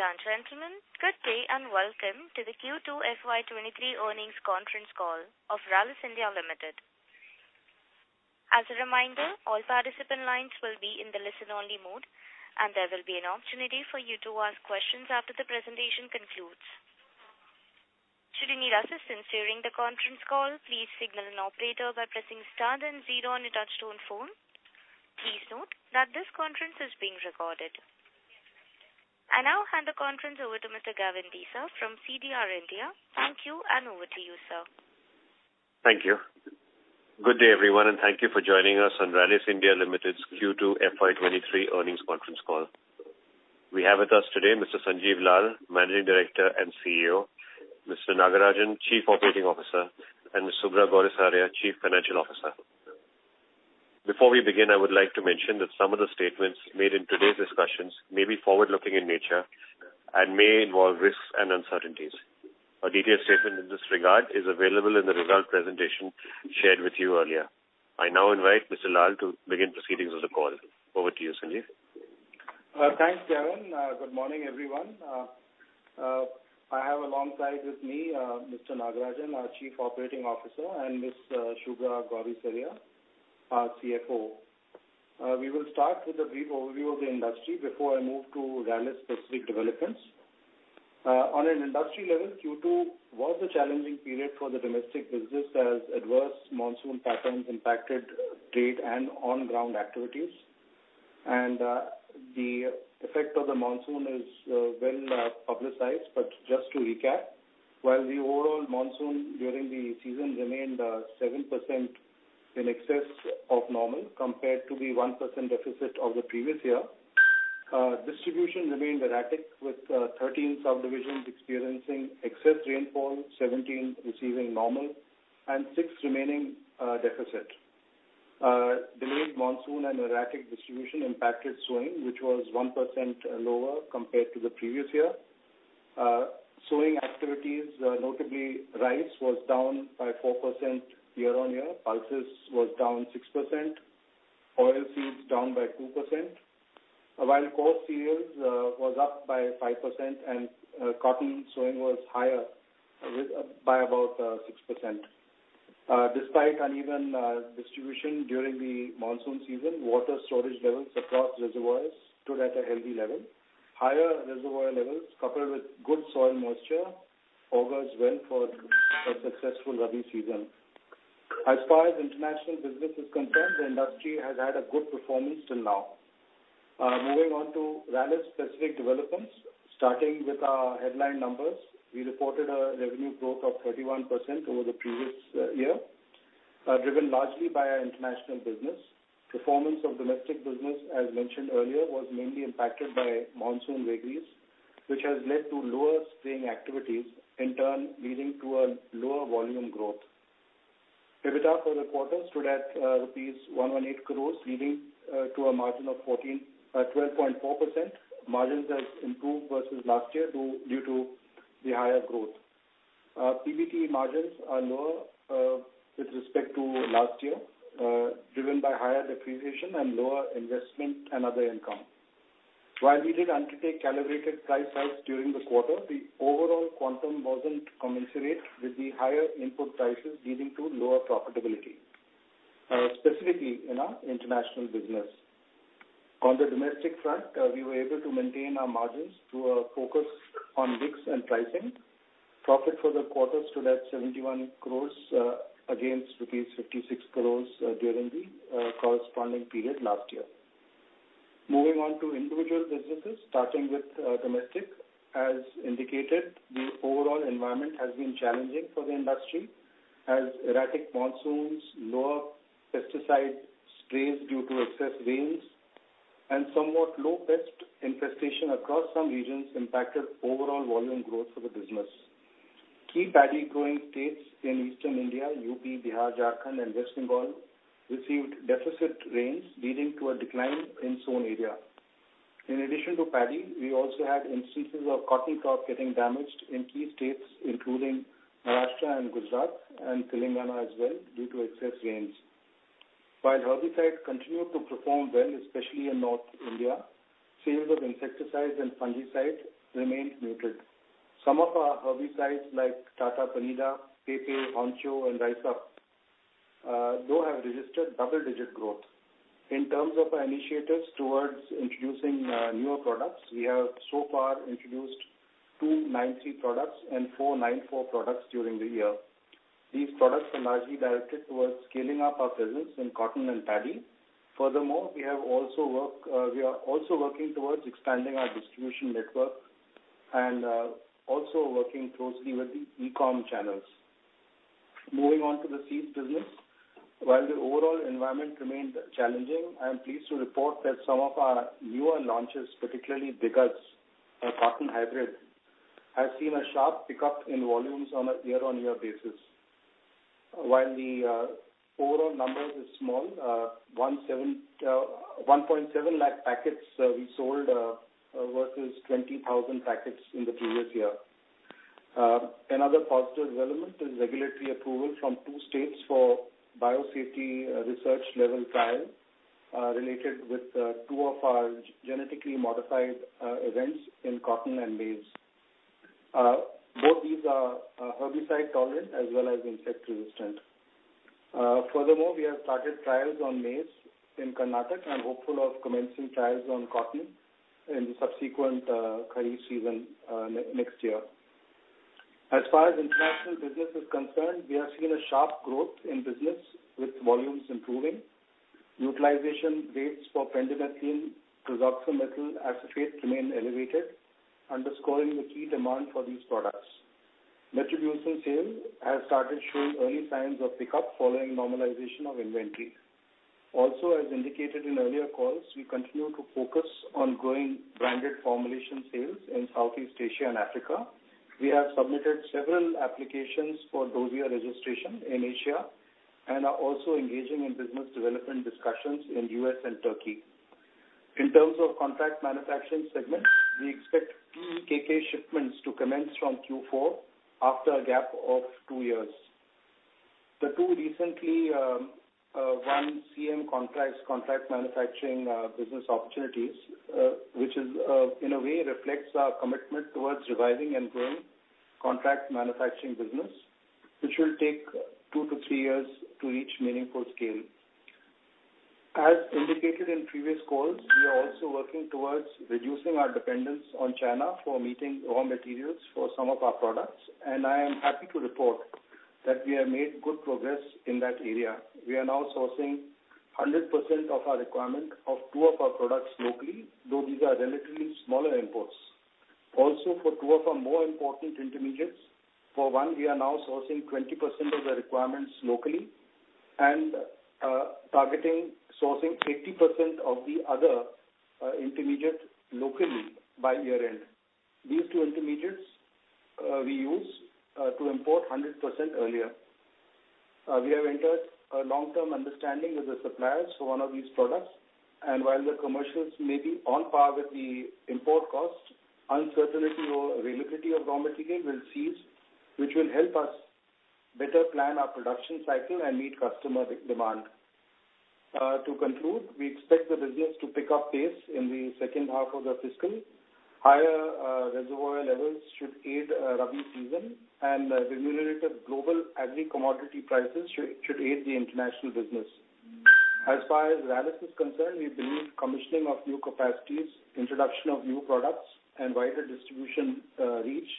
Ladies and gentlemen, good day and welcome to the Q2 FY 2023 earnings conference call of Rallis India Limited. As a reminder, all participant lines will be in the listen-only mode, and there will be an opportunity for you to ask questions after the presentation concludes. Should you need assistance during the conference call, please signal an operator by pressing star then zero on your touchtone phone. Please note that this conference is being recorded. I now hand the conference over to Mr. Gavin D'Sa from CDR India. Thank you, and over to you, sir. Thank you. Good day, everyone, and thank you for joining us on Rallis India Limited's Q2 FY 2023 earnings conference call. We have with us today Mr. Sanjiv Lal, Managing Director and Chief Executive Officer, Mr. S. Nagarajan, Chief Operating Officer, and Ms. Subhra Gourisaria, Chief Financial Officer. Before we begin, I would like to mention that some of the statements made in today's discussions may be forward-looking in nature and may involve risks and uncertainties. A detailed statement in this regard is available in the result presentation shared with you earlier. I now invite Mr. Lal to begin proceedings of the call. Over to you, Sanjiv. Thanks, Gavin. Good morning, everyone. I have along with me, Mr. S. Nagarajan, our Chief Operating Officer, and Ms. Subhra Gourisaria, our Chief Financial Officer. We will start with a brief overview of the industry before I move to Rallis specific developments. On an industry level, Q2 was a challenging period for the domestic business as adverse monsoon patterns impacted trade and on-ground activities. The effect of the monsoon is well publicized, but just to recap. While the overall monsoon during the season remained 7% in excess of normal compared to the 1% deficit of the previous year, distribution remained erratic, with 13 subdivisions experiencing excess rainfall, 17 subdivisions receiving normal, and 6 subdivisions remaining deficit. Delayed monsoon and erratic distribution impacted sowing, which was 1% lower compared to the previous year. Sowing activities, notably rice, was down 4% year-on-year. Pulses was down 6%. Oilseeds down by 2%. While coarse cereals was up by 5% and cotton sowing was higher by about 6%. Despite uneven distribution during the monsoon season, water storage levels across reservoirs stood at a healthy level. Higher reservoir levels, coupled with good soil moisture, augurs well for a successful kharif season. As far as international business is concerned, the industry has had a good performance till now. Moving on to Rallis specific developments. Starting with our headline numbers. We reported a revenue growth of 31% over the previous year, driven largely by our international business. Performance of domestic business, as mentioned earlier, was mainly impacted by monsoon vagaries, which has led to lower sowing activities, in turn leading to a lower volume growth. EBITDA for the quarter stood at rupees 118 crores, leading to a margin of 12.4%. Margins has improved versus last year due to the higher growth. PBT margins are lower with respect to last year driven by higher depreciation and lower investment and other income. While we did undertake calibrated price hikes during the quarter, the overall quantum wasn't commensurate with the higher input prices leading to lower profitability, specifically in our international business. On the domestic front, we were able to maintain our margins through a focus on mix and pricing. Profit for the quarter stood at 71 crore against rupees 56 crore during the corresponding period last year. Moving on to individual businesses, starting with domestic. As indicated, the overall environment has been challenging for the industry as erratic monsoons, lower pesticide sprays due to excess rains, and somewhat low pest infestation across some regions impacted overall volume growth for the business. Key paddy growing states in Eastern India, UP, Bihar, Jharkhand, and West Bengal received deficit rains, leading to a decline in sown area. In addition to paddy, we also had instances of cotton crop getting damaged in key states, including Maharashtra, Gujarat, and Telangana as well due to excess rains. While herbicides continued to perform well, especially in North India, sales of insecticides and fungicides remained muted. Some of our herbicides like Tata Panida, Pepe, Oncho and RICEUP, though have registered double-digit growth. In terms of our initiatives towards introducing newer products, we have so far introduced two 9(3) products and four 9(4) products during the year. These products are largely directed towards scaling up our presence in cotton and paddy. Furthermore, we are also working towards expanding our distribution network and also working closely with the e-com channels. Moving on to the seeds business. While the overall environment remained challenging, I am pleased to report that some of our newer launches, particularly Diggaz, our cotton hybrid, has seen a sharp pickup in volumes on a year-on-year basis. While the overall numbers is small, 1.7 lakh packets we sold versus 20,000 packets in the previous year. Another positive development is regulatory approval from two states for biosafety research level trial related with two of our genetically modified events in cotton and maize. Both these are herbicide tolerant as well as insect resistant. Furthermore, we have started trials on maize in Karnataka and hopeful of commencing trials on cotton in the subsequent Kharif season next year. As far as international business is concerned, we have seen a sharp growth in business with volumes improving. Utilization rates for Pendimethalin, toxaphene, methyl acetate remain elevated, underscoring the key demand for these products. Metribuzin sales has started showing early signs of pickup following normalization of inventory. Also, as indicated in earlier calls, we continue to focus on growing branded formulation sales in Southeast Asia and Africa. We have submitted several applications for dossier registration in Asia, and are also engaging in business development discussions in U.S. and Turkey. In terms of contract manufacturing segment, we expect TKK shipments to commence from Q4 after a gap of two years. The two recently won CM contracts, contract manufacturing business opportunities, which in a way reflects our commitment towards reviving and growing contract manufacturing business, which will take two to three years to reach meaningful scale. As indicated in previous calls, we are also working towards reducing our dependence on China for meeting raw materials for some of our products, and I am happy to report that we have made good progress in that area. We are now sourcing 100% of our requirement of two of our products locally, though these are relatively smaller imports. Also, for two of our more important intermediates, for one, we are now sourcing 20% of the requirements locally and targeting sourcing 80% of the other intermediate locally by year-end. These two intermediates we used to import 100% earlier. We have entered a long-term understanding with the suppliers for one of these products, and while the commercials may be on par with the import costs, uncertainty over availability of raw material will cease, which will help us better plan our production cycle and meet customer demand. To conclude, we expect the business to pick up pace in the second half of the fiscal. Higher reservoir levels should aid Rabi season and remunerative global agri commodity prices should aid the international business. As far as Rallis is concerned, we believe commissioning of new capacities, introduction of new products and wider distribution reach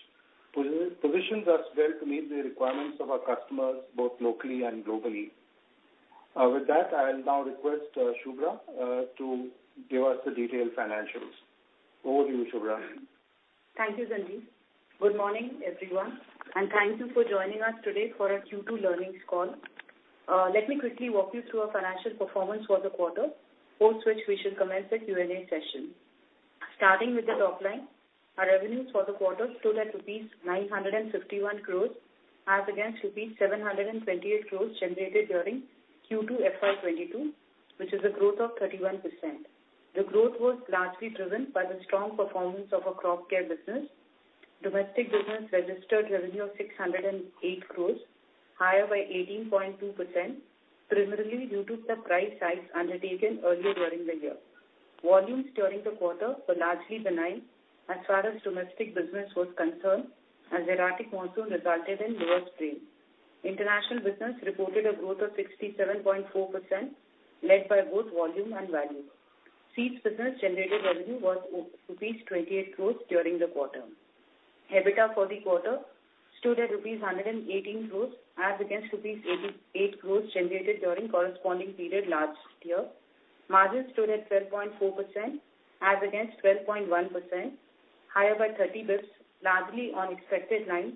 positions us well to meet the requirements of our customers both locally and globally. With that, I'll now request Subhra to give us the detailed financials. Over to you, Subhra. Thank you, Sanjiv. Good morning, everyone, and thank you for joining us today for our Q2 earnings call. Let me quickly walk you through our financial performance for the quarter, after which we shall commence the Q&A session. Starting with the top line, our revenues for the quarter stood at rupees 951 crores as against rupees 728 crores generated during Q2 FY 2022, which is a growth of 31%. The growth was largely driven by the strong performance of our crop care business. Domestic business registered revenue of 608 crores, higher by 18.2%, primarily due to the price hikes undertaken earlier during the year. Volumes during the quarter were largely benign as far as domestic business was concerned, as erratic monsoon resulted in lower acreage. International business reported a growth of 67.4%, led by both volume and value. Seeds business generated revenue was, rupees 28 crore during the quarter. EBITDA for the quarter stood at rupees 118 crore as against rupees 88 crore generated during corresponding period last year. Margins stood at 12.4% as against 12.1%, higher by 30 basis, largely on expected lines,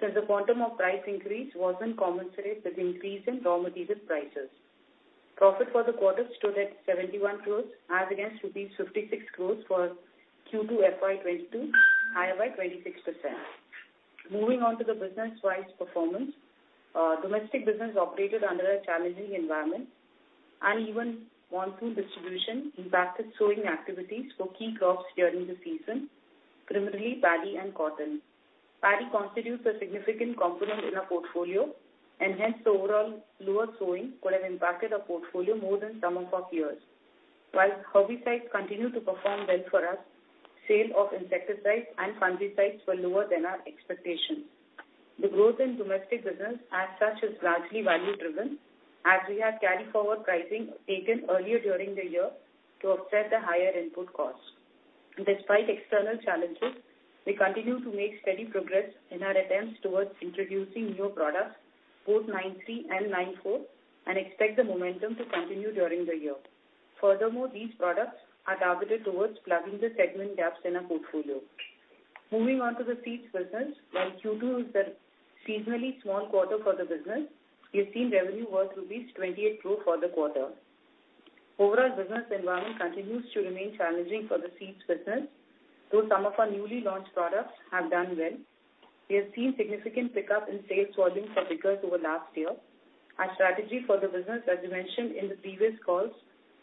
since the quantum of price increase wasn't commensurate with increase in raw material prices. Profit for the quarter stood at 71 crore as against rupees 56 crore for Q2 FY 2022, higher by 26%. Moving on to the business-wise performance. Domestic business operated under a challenging environment. Uneven monsoon distribution impacted sowing activities for key crops during the season, primarily paddy and cotton. Paddy constitutes a significant component in our portfolio, and hence the overall lower sowing could have impacted our portfolio more than some of our peers. While herbicides continue to perform well for us, sales of insecticides and fungicides were lower than our expectations. The growth in domestic business as such is largely value-driven, as we have carried forward pricing taken earlier during the year to offset the higher input costs. Despite external challenges, we continue to make steady progress in our attempts towards introducing new products, both 9(3) and 9(4), and expect the momentum to continue during the year. Furthermore, these products are targeted towards plugging the segment gaps in our portfolio. Moving on to the seeds business. While Q2 is the seasonally small quarter for the business, we have seen revenue was rupees 28 crore for the quarter. Overall business environment continues to remain challenging for the seeds business, though some of our newly launched products have done well. We have seen significant pickup in sales volume for Diggaz over last year. Our strategy for the business, as we mentioned in the previous calls,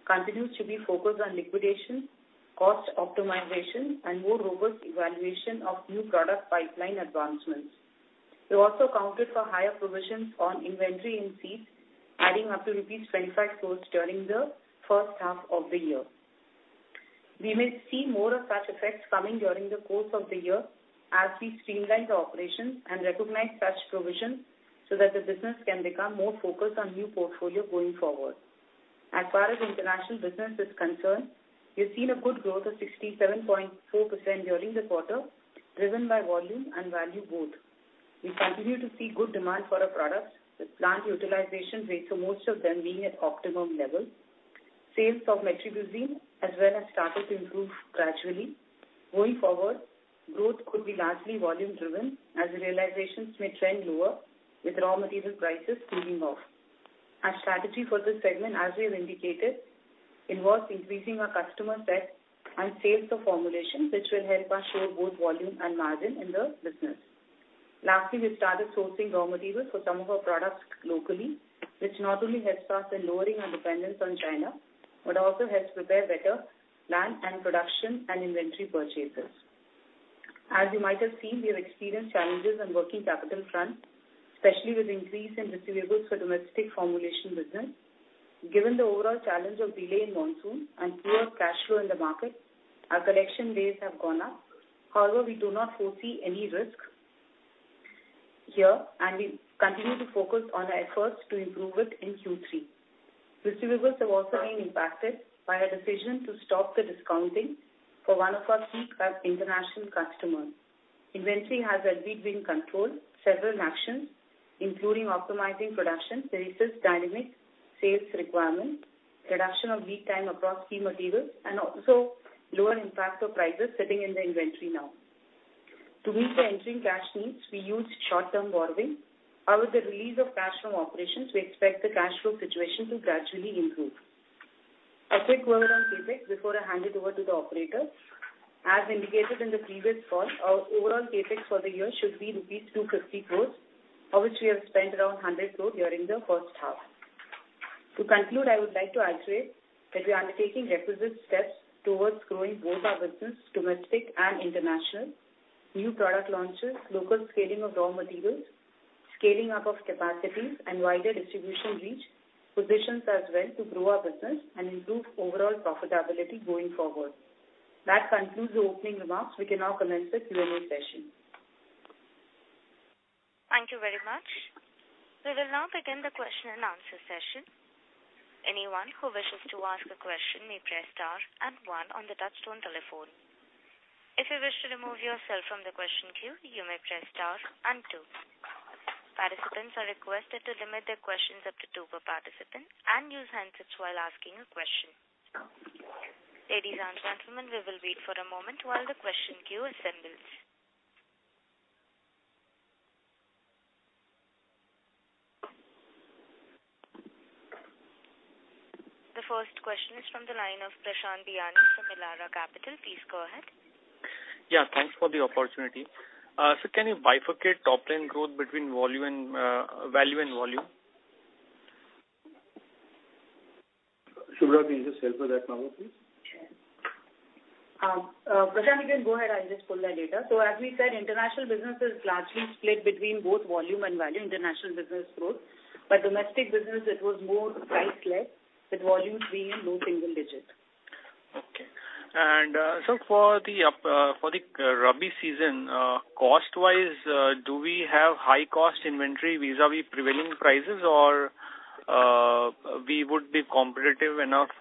continues to be focused on liquidation, cost optimization, and more robust evaluation of new product pipeline advancements. We also accounted for higher provisions on inventory in seeds, adding up to rupees 25 crore during the first half of the year. We may see more of such effects coming during the course of the year as we streamline the operations and recognize such provisions so that the business can become more focused on new portfolio going forward. As far as international business is concerned, we've seen a good growth of 67.4% during this quarter, driven by volume and value both. We continue to see good demand for our products, with plant utilization rates for most of them being at optimum levels. Sales of Metribuzin as well has started to improve gradually. Going forward, growth could be largely volume driven as realizations may trend lower with raw material prices cooling off. Our strategy for this segment, as we have indicated, involves increasing our customer set and sales to formulation, which will help us share both volume and margin in the business. Lastly, we started sourcing raw materials for some of our products locally, which not only helps us in lowering our dependence on China, but also helps prepare better plan and production and inventory purchases. As you might have seen, we have experienced challenges on working capital front, especially with increase in receivables for domestic formulation business. Given the overall challenge of delay in monsoon and poor cash flow in the market, our collection days have gone up. However, we do not foresee any risk here, and we continue to focus on our efforts to improve it in Q3. Receivables have also been impacted by our decision to stop the discounting for one of our key international customers. Inventory has indeed been controlled. Several actions, including optimizing production to resist dynamic sales requirements, reduction of lead time across key materials, and also lower impact of prices sitting in the inventory now. To meet the entering cash needs, we used short-term borrowing. However, with the release of cash from operations, we expect the cash flow situation to gradually improve. A quick word on CapEx before I hand it over to the operator. As indicated in the previous call, our overall CapEx for the year should be rupees 250 crores, of which we have spent around 100 crores during the first half. To conclude, I would like to reiterate that we are taking requisite steps towards growing both our business, domestic and international. New product launches, local scaling of raw materials, scaling up of capacities and wider distribution reach positions us well to grow our business and improve overall profitability going forward. That concludes the opening remarks. We can now commence the Q&A session. Thank you very much. We will now begin the question and answer session. Anyone who wishes to ask a question may press star and one on the touch-tone telephone. If you wish to remove yourself from the question queue, you may press star and two. Participants are requested to limit their questions up to two per participant and use handsets while asking a question. Ladies and gentlemen, we will wait for a moment while the question queue assembles. The first question is from the line of Prashant Biyani from Elara Capital. Please go ahead. Yeah, thanks for the opportunity. Can you bifurcate top line growth between volume and value? Subhra, can you just help with that number, please? Sure. Prashant, you can go ahead. I'll just pull that data. As we said, international business is largely split between both volume and value, international business growth. Domestic business, it was more price led, with volume being in low single digits. For the Rabi season, cost-wise, do we have high cost inventory vis-à-vis prevailing prices or we would be competitive enough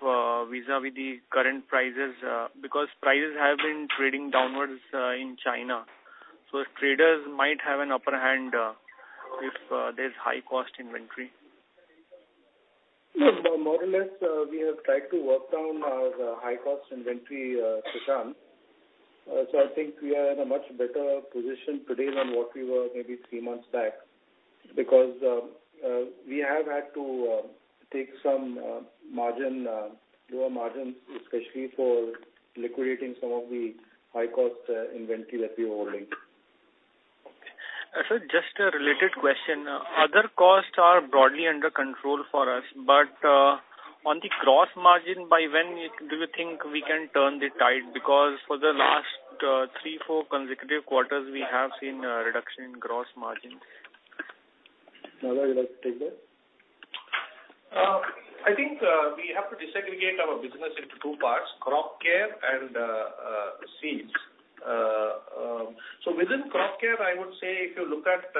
vis-à-vis the current prices? Because prices have been trading downwards in China, so traders might have an upper hand if there's high cost inventory. Yes. More or less, we have tried to work down our high-cost inventory, Prashant. I think we are in a much better position today than what we were maybe three months back because we have had to take some margin, lower margins, especially for liquidating some of the high-cost inventory that we were holding. Okay. Just a related question. Other costs are broadly under control for us, but on the gross margin, by when do you think we can turn the tide? Because for the last three, four consecutive quarters, we have seen a reduction in gross margin. S. Nagarajan, would you like to take that? I think we have to disaggregate our business into two parts: crop care and seeds. Within crop care, I would say if you look at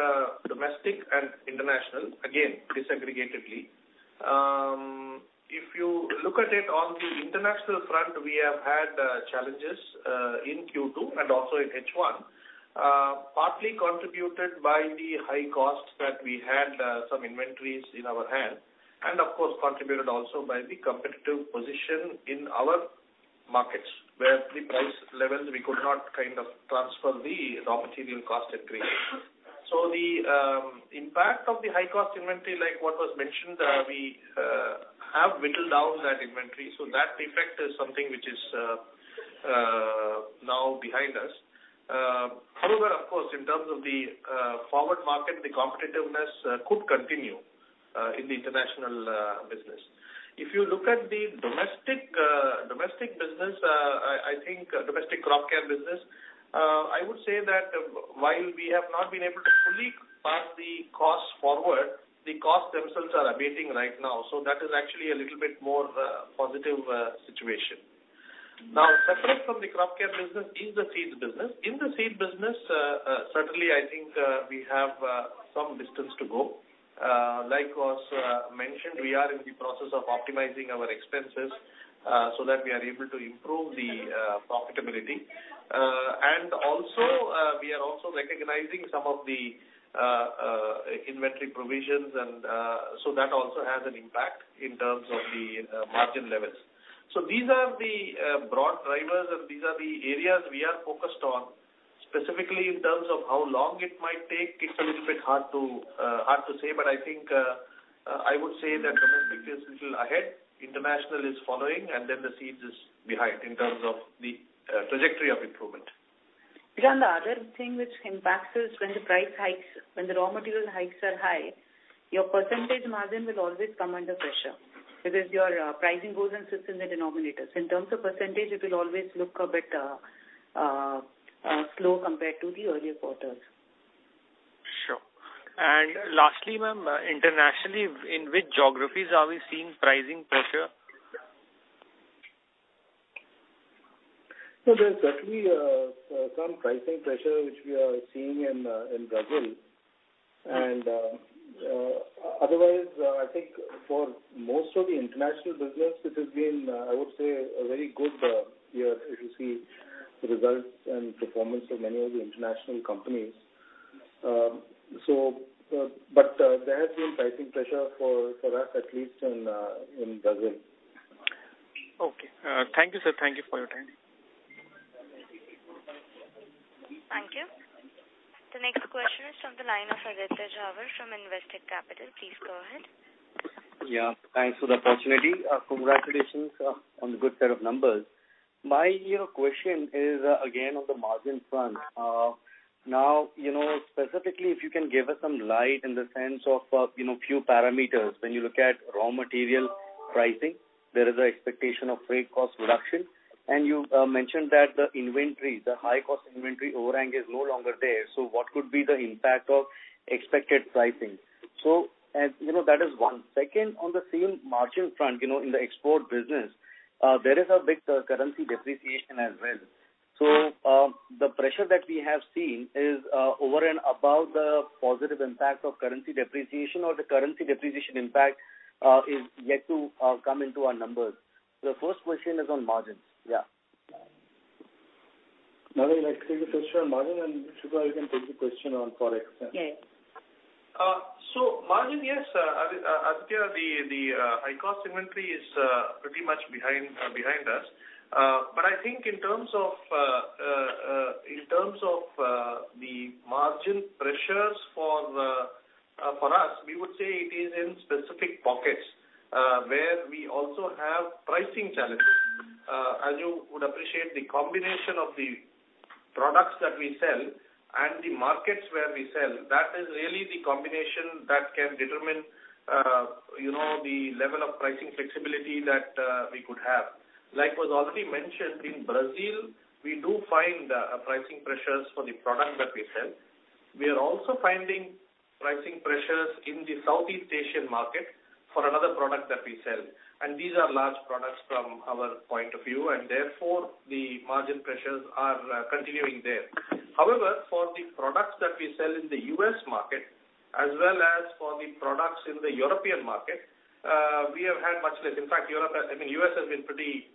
domestic and international, again, disaggregatively, if you look at it on the international front, we have had challenges in Q2 and also in H1, partly contributed by the high costs that we had some inventories in our hand, and of course, contributed also by the competitive position in our markets, where the price levels we could not kind of transfer the raw material cost increase. The impact of the high cost inventory, like what was mentioned, we have whittled down that inventory. That effect is something which is now behind us. However, of course, in terms of the forward market, the competitiveness could continue in the international business. If you look at the domestic business, I think domestic crop care business, I would say that while we have not been able to fully pass the costs forward, the costs themselves are abating right now, so that is actually a little bit more positive situation. Now, separate from the crop care business is the seeds business. In the seed business, certainly I think we have some distance to go. As was mentioned, we are in the process of optimizing our expenses, so that we are able to improve the profitability. We are also recognizing some of the inventory provisions and so that also has an impact in terms of the margin levels. These are the broad drivers and these are the areas we are focused on. Specifically in terms of how long it might take, it's a little bit hard to say. I think I would say that domestic is little ahead, international is following, and then the seeds is behind in terms of the trajectory of improvement. Prashant Biyani, the other thing which impacts us when the price hikes, when the raw material hikes are high, your percentage margin will always come under pressure because your pricing goes and sits in the denominators. In terms of percentage, it will always look a bit slow compared to the earlier quarters. Sure. Lastly, ma'am, internationally, in which geographies are we seeing pricing pressure? There's certainly some pricing pressure which we are seeing in Brazil. Otherwise, I think for most of the international business it has been, I would say, a very good year if you see results and performance of many of the international companies. There has been pricing pressure for us at least in Brazil. Okay. Thank you, sir. Thank you for your time. Thank you. The next question is from the line of Aditya Jhawar from Investec Capital. Please go ahead. Yeah, thanks for the opportunity. Congratulations on the good set of numbers. My question is again on the margin front. Now, specifically if you can shed some light in the sense of few parameters. When you look at raw material pricing, there is an expectation of freight cost reduction. You mentioned that the high-cost inventory overhang is no longer there. What could be the impact of expected pricing? You know, that is one. Second, on the same margin front, you know, in the export business, there is a big currency depreciation as well. The pressure that we have seen is over and above the positive impact of currency depreciation or the currency depreciation impact is yet to come into our numbers. The first question is on margins. Yeah. Madhavi, let's take the first round margin, and Subhra, you can take the question on Forex then. Yes. Margin, yes, Aditya, the high-cost inventory is pretty much behind us. I think in terms of the margin pressures for us, we would say it is in specific pockets where we also have pricing challenges. As you would appreciate, the combination of the products that we sell and the markets where we sell, that is really the combination that can determine you know the level of pricing flexibility that we could have. As was already mentioned, in Brazil, we do find pricing pressures for the product that we sell. We are also finding pricing pressures in the Southeast Asian market for another product that we sell, and these are large products from our point of view, and therefore the margin pressures are continuing there. However, for the products that we sell in the U.S. market as well as for the products in the European market, we have had much less. In fact, I mean, U.S. has been pretty,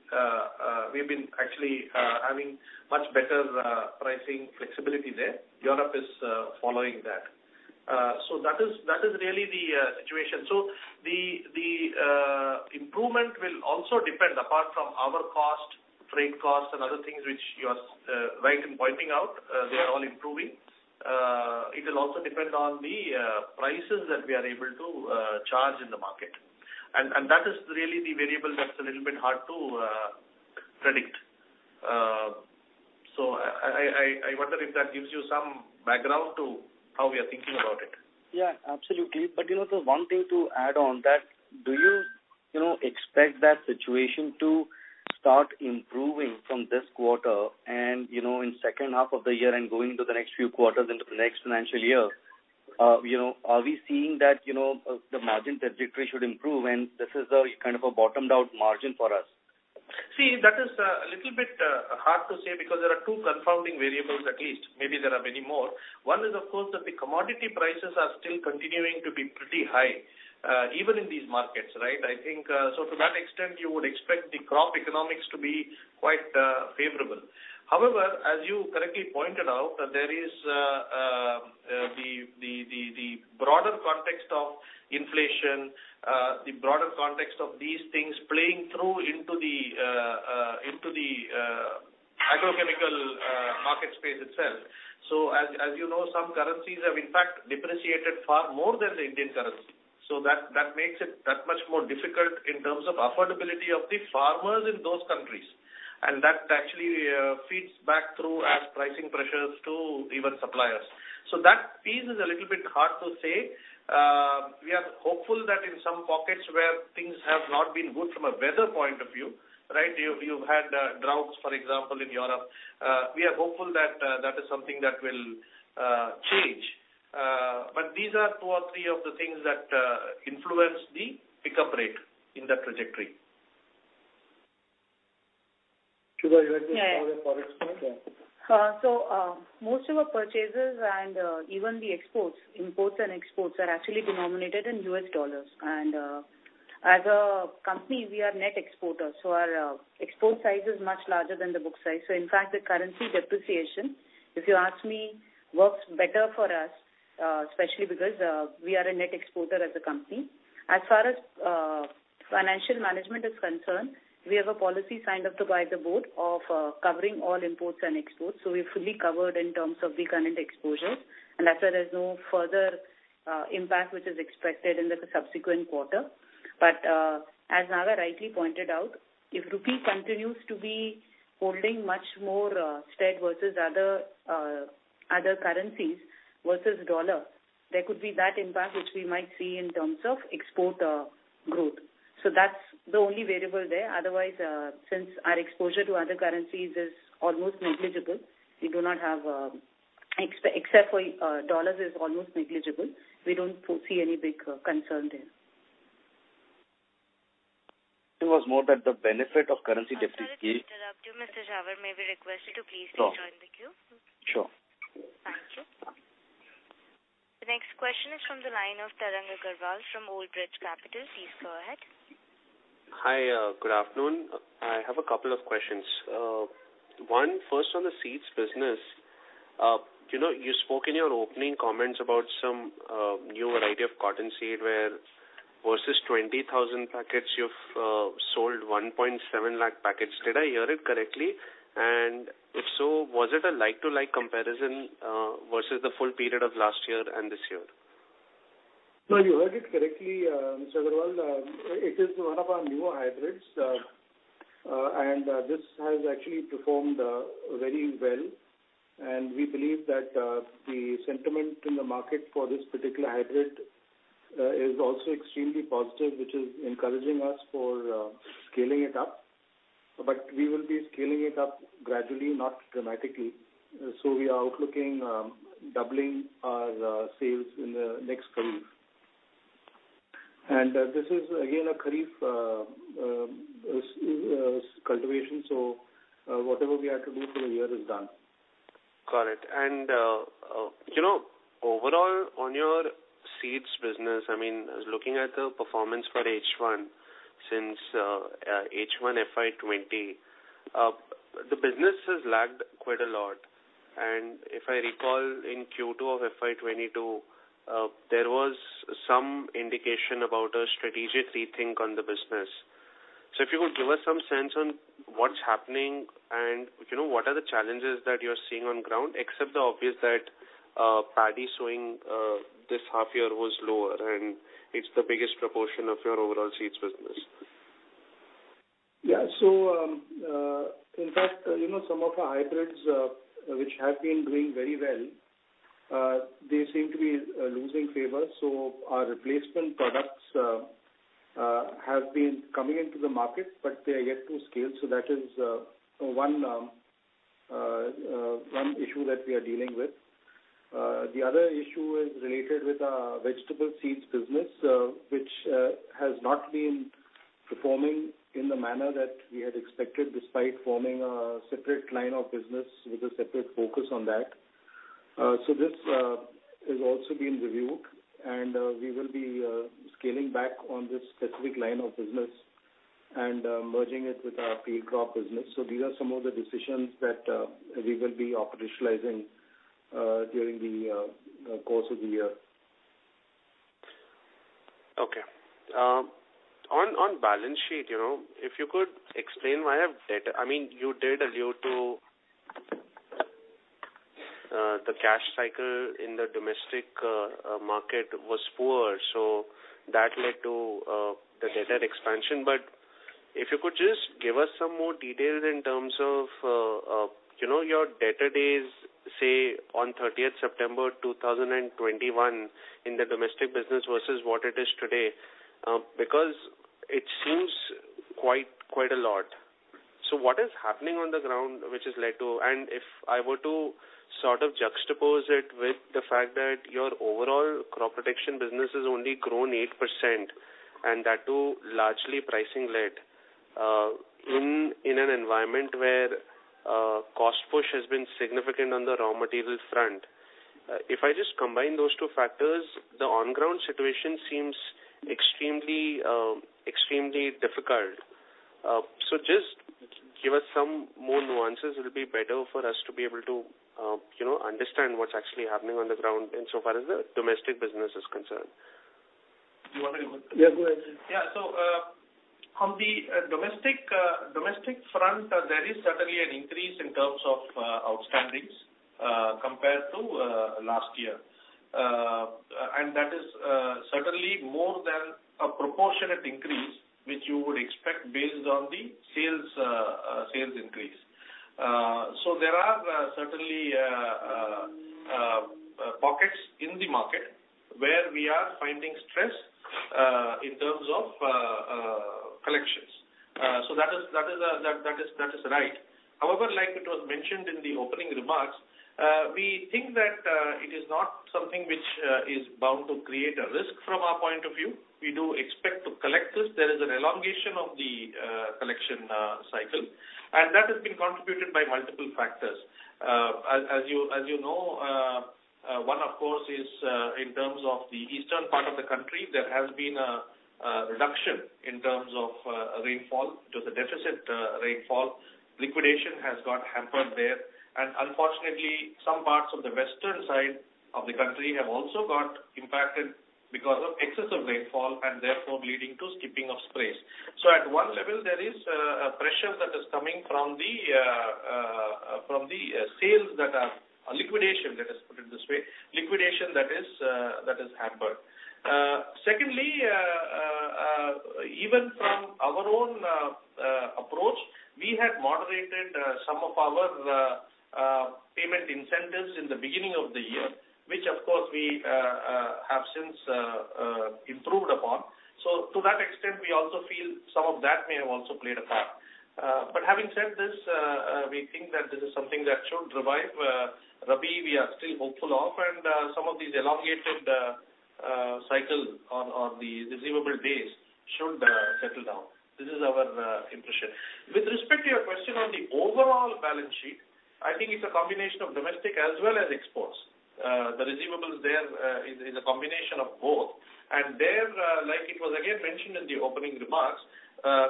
we've been actually having much better pricing flexibility there. Europe is following that. That is really the situation. The improvement will also depend, apart from our cost, freight costs and other things which you are right in pointing out, they are all improving. It'll also depend on the prices that we are able to charge in the market. That is really the variable that's a little bit hard to predict. I wonder if that gives you some background to how we are thinking about it. Yeah, absolutely. You know, sir, one thing to add on that, do you know, expect that situation to start improving from this quarter and, you know, in second half of the year and going into the next few quarters into the next financial year? You know, are we seeing that, you know, the margin trajectory should improve, and this is a kind of a bottomed out margin for us? That is a little bit hard to say because there are two confounding variables at least. Maybe there are many more. One is of course that the commodity prices are still continuing to be pretty high, even in these markets, right? I think, so to that extent you would expect the crop economics to be quite favorable. However, as you correctly pointed out, there is the broader context of inflation, the broader context of these things playing through into the agrochemical market space itself. So as you know, some currencies have in fact depreciated far more than the Indian currency. That makes it that much more difficult in terms of affordability of the farmers in those countries. That actually feeds back through as pricing pressures to even suppliers. That piece is a little bit hard to say. We are hopeful that in some pockets where things have not been good from a weather point of view, right? You've had droughts, for example, in Europe. We are hopeful that that is something that will change. These are two or three of the things that influence the pick-up rate in that trajectory. Shubhra, you want to just cover the Forex point? Yeah. Yeah. Most of our purchases and even the exports, imports and exports are actually denominated in U.S. $. As a company, we are net exporters, so our export size is much larger than the book size. In fact, the currency depreciation, if you ask me, works better for us, especially because we are a net exporter as a company. As far as financial management is concerned, we have a policy signed off by the board of covering all imports and exports, so we're fully covered in terms of the currency exposure. As there is no further impact which is expected in the subsequent quarter. As Nagarajan rightly pointed out, if rupee continues to be holding much more steady versus other currencies versus dollar, there could be that impact which we might see in terms of export growth. That's the only variable there. Otherwise, since our exposure to other currencies is almost negligible, we do not have except for dollars is almost negligible. We don't foresee any big concern there. It was more that the benefit of currency depreciation. I'm sorry to interrupt you, Mr. Jhawar. May we request you to please rejoin the queue? Sure. Thank you. The next question is from the line of Tarang Agrawal from Old Bridge Capital. Please go ahead. Hi, good afternoon. I have a couple of questions. One, first on the seeds business. You know, you spoke in your opening comments about some newer idea of cotton seed where versus 20,000 packets you've sold 1.7 lakh packets. Did I hear it correctly? If so, was it a like-for-like comparison versus the full period of last year and this year? No, you heard it correctly, Mr. Agarwal. It is one of our newer hybrids. This has actually performed very well. We believe that the sentiment in the market for this particular hybrid is also extremely positive, which is encouraging us for scaling it up. We will be scaling it up gradually, not dramatically. We are looking at doubling our sales in the next Kharif. This is again a Kharif cultivation, whatever we had to do for the year is done. Got it. You know, overall on your seeds business, I mean, looking at the performance for H1 since H1 FY 2020, the business has lagged quite a lot. If I recall in Q2 of FY 2022, there was some indication about a strategic rethink on the business. If you could give us some sense on what's happening and, you know, what are the challenges that you're seeing on ground, except the obvious that paddy sowing this half year was lower, and it's the biggest proportion of your overall seeds business. Yeah. In fact, you know, some of our hybrids, which have been doing very well, they seem to be losing favor. Our replacement products have been coming into the market, but they are yet to scale. That is one issue that we are dealing with. The other issue is related with our vegetable seeds business, which has not been performing in the manner that we had expected, despite forming a separate line of business with a separate focus on that. This is also being reviewed, and we will be scaling back on this specific line of business and merging it with our field crop business. These are some of the decisions that we will be operationalizing during the course of the year. Okay. On balance sheet, you know, if you could explain why have debt. I mean, you did allude to the cash cycle in the domestic market was poor, so that led to the debt and expansion. If you could just give us some more details in terms of, you know, your debtor days, say on 30th September 2021 in the domestic business versus what it is today. Because it seems quite a lot. What is happening on the ground which has led to, and if I were to sort of juxtapose it with the fact that your overall crop protection business has only grown 8%, and that too largely pricing led, in an environment where cost push has been significant on the raw material front. If I just combine those two factors, the on-ground situation seems extremely difficult. Just give us some more nuances. It'll be better for us to be able to, you know, understand what's actually happening on the ground insofar as the domestic business is concerned. Do you want to go? Yeah, go ahead. On the domestic front, there is certainly an increase in terms of outstandings compared to last year. That is certainly more than a proportionate increase, which you would expect based on the sales increase. There are certainly pockets in the market where we are finding stress in terms of collections. That is right. However, like it was mentioned in the opening remarks, we think that it is not something which is bound to create a risk from our point of view. We do expect to collect this. There is an elongation of the collection cycle, and that has been contributed by multiple factors. As you know, one, of course, is in terms of the eastern part of the country, there has been a reduction in terms of rainfall to the deficit rainfall. Liquidation has got hampered there. Unfortunately, some parts of the western side of the country have also got impacted because of excessive rainfall and therefore leading to skipping of sprays. At one level, there is a pressure that is coming from the liquidation, let us put it this way, liquidation that is hampered. Secondly, even from our own approach, we had moderated some of our payment incentives in the beginning of the year, which of course we have since improved upon. To that extent, we also feel some of that may have also played a part. Having said this, we think that this is something that should revive Rabi, we are still hopeful of, and some of these elongated cycle on the receivable days should settle down. This is our impression. With respect to your question on the overall balance sheet, I think it's a combination of domestic as well as exports. The receivables there is a combination of both. There, like it was again mentioned in the opening remarks,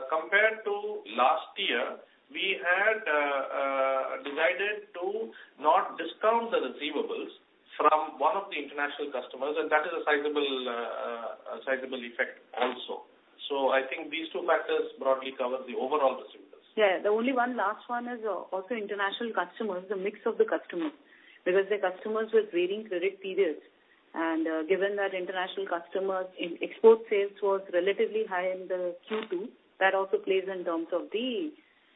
compared to last year, we had decided to not discount the receivables from one of the international customers, and that is a sizable effect also. I think these two factors broadly cover the overall receivables. Yeah. The only one last one is also international customers, the mix of the customers. Because the customers with varying credit periods, and given that international customers in export sales was relatively high in the Q2, that also plays in terms of the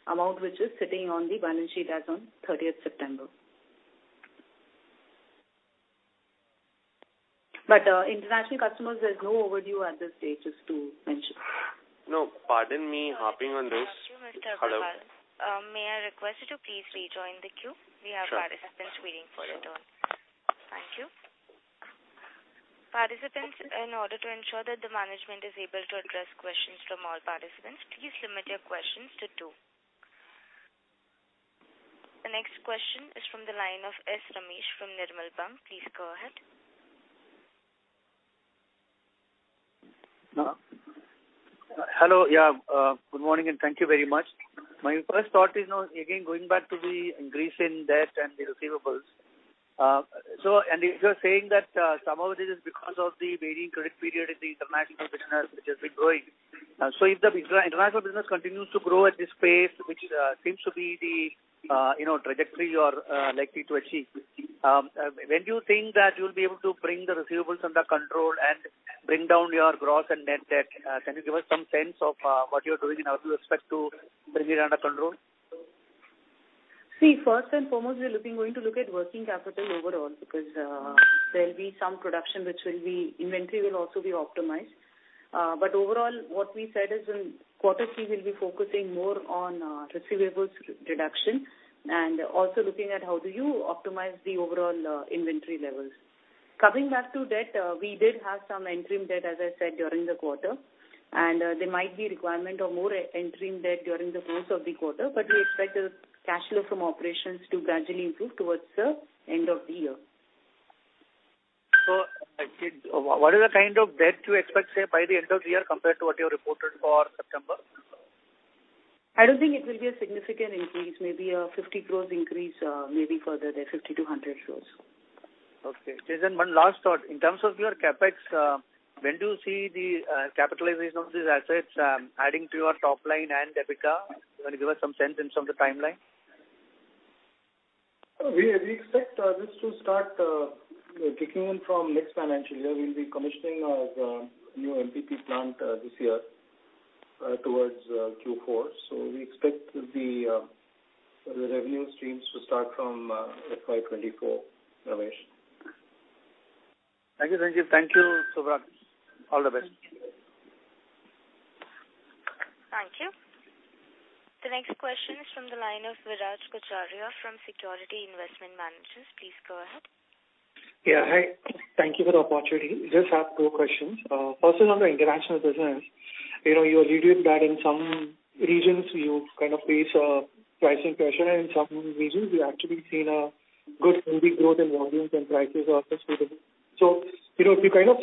amount which is sitting on the balance sheet as on 30th September. But international customers, there's no overdue at this stage, just to mention. No, pardon me hopping on those. Thank you, Mr. Agrawal. Hello. May I request you to please rejoin the queue? Sure. We have participants waiting for their turn. Thank you. Participants, in order to ensure that the management is able to address questions from all participants, please limit your questions to two. The next question is from the line of S. Ramesh from Nirmal Bang. Please go ahead. Hello. Good morning, and thank you very much. My first thought is now again going back to the increase in debt and the receivables. And if you're saying that some of it is because of the varying credit period in the international business which has been growing. If the international business continues to grow at this pace, which seems to be the you know trajectory you are likely to achieve, when do you think that you'll be able to bring the receivables under control and bring down your gross and net debt? Can you give us some sense of what you're doing with respect to bringing it under control? First and foremost, we're going to look at working capital overall because there'll be some production. Inventory will also be optimized. But overall, what we said is in quarter three, we'll be focusing more on receivables reduction and also looking at how do you optimize the overall inventory levels. Coming back to debt, we did have some interim debt, as I said, during the quarter. There might be requirement of more interim debt during the course of the quarter, but we expect the cash flow from operations to gradually improve towards the end of the year. What is the kind of debt you expect, say, by the end of the year compared to what you reported for September? I don't think it will be a significant increase. Maybe a 50 crores increase, maybe further there, 50 crores-100 crores. Okay. Sanjiv Lal, one last thought. In terms of your CapEx, when do you see the capitalization of these assets, adding to your top line and EBITDA? Can you give us some sense in terms of the timeline? We expect this to start you know kicking in from next financial year. We'll be commissioning our new MPP plant this year towards Q4. We expect the revenue streams to start from FY 2024, S. Ramesh. Thank you, Sanjiv. Thank you, Subhra. All the best. Thank you. The next question is from the line of Viraj Kacharia from Securities Investment Management. Please go ahead. Yeah. Hi. Thank you for the opportunity. Just have two questions. First is on the international business. You know, you alluded that in some regions you kind of face pricing pressure. In some regions, we've actually seen a good healthy growth in volumes and prices are sustainable. So, you know, if you kind of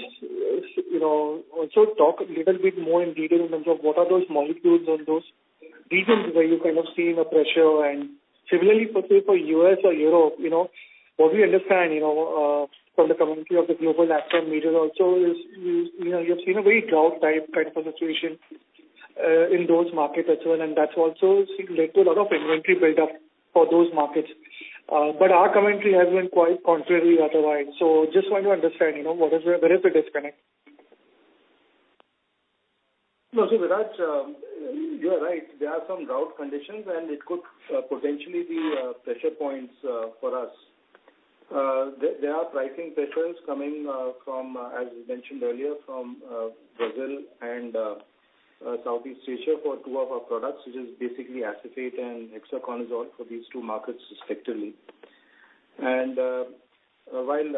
you know also talk a little bit more in detail in terms of what are those molecules on those reasons why you're kind of seeing a pressure and similarly for U.S. or Europe, you know, what we understand, you know, from the community of the global platform leaders also is you know, you've seen a very drought type of situation in those markets as well. That's also led to a lot of inventory buildup for those markets. But our commentary has been quite contrary otherwise. Just want to understand, you know, where is the disconnect? No, Viraj, you're right. There are some drought conditions, and it could potentially be pressure points for us. There are pricing pressures coming from, as you mentioned earlier, from Brazil and Southeast Asia for two of our products, which is basically Acephate and Hexaconazole for these two markets respectively. While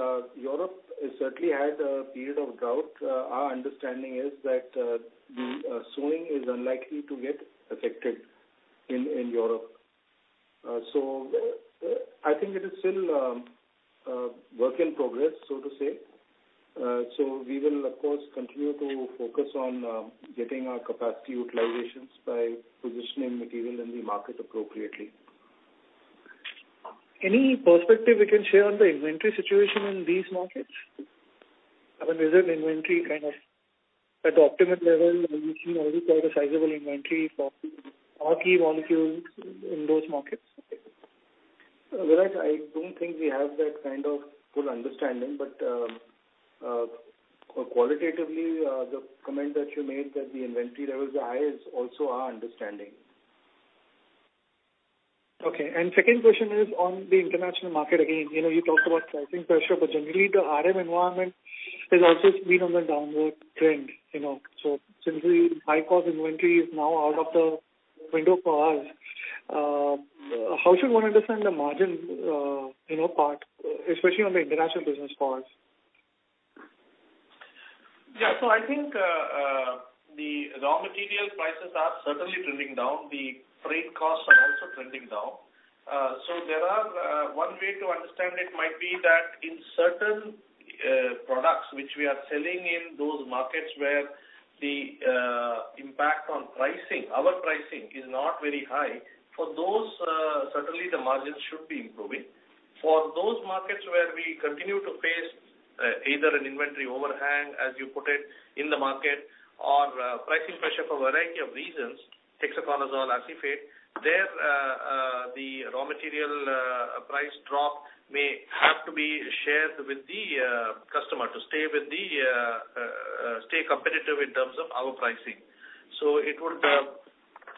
Europe has certainly had a period of drought, our understanding is that the sowing is unlikely to get affected in Europe. I think it is still work in progress, so to say. We will of course continue to focus on getting our capacity utilizations by positioning material in the market appropriately. Any perspective we can share on the inventory situation in these markets? I mean, is it inventory kind of at the optimum level? Are we seeing already quite a sizable inventory for our key molecules in those markets? Viraj, I don't think we have that kind of full understanding, but qualitatively, the comment that you made that the inventory levels are high is also our understanding. Okay. Second question is on the international market again. You know, you talked about pricing pressure, but generally the RM environment has also been on the downward trend, you know. Since the high-cost inventory is now out of the window for us, how should one understand the margin, you know, part, especially on the international business for us? Yeah. I think the raw material prices are certainly trending down. The freight costs are also trending down. One way to understand it might be that in certain products which we are selling in those markets where the impact on our pricing is not very high, for those certainly the margins should be improving. For those markets where we continue to face either an inventory overhang, as you put it, in the market or pricing pressure for a variety of reasons, Hexaconazole, Acephate, the raw material price drop may have to be shared with the customer to stay competitive in terms of our pricing. It would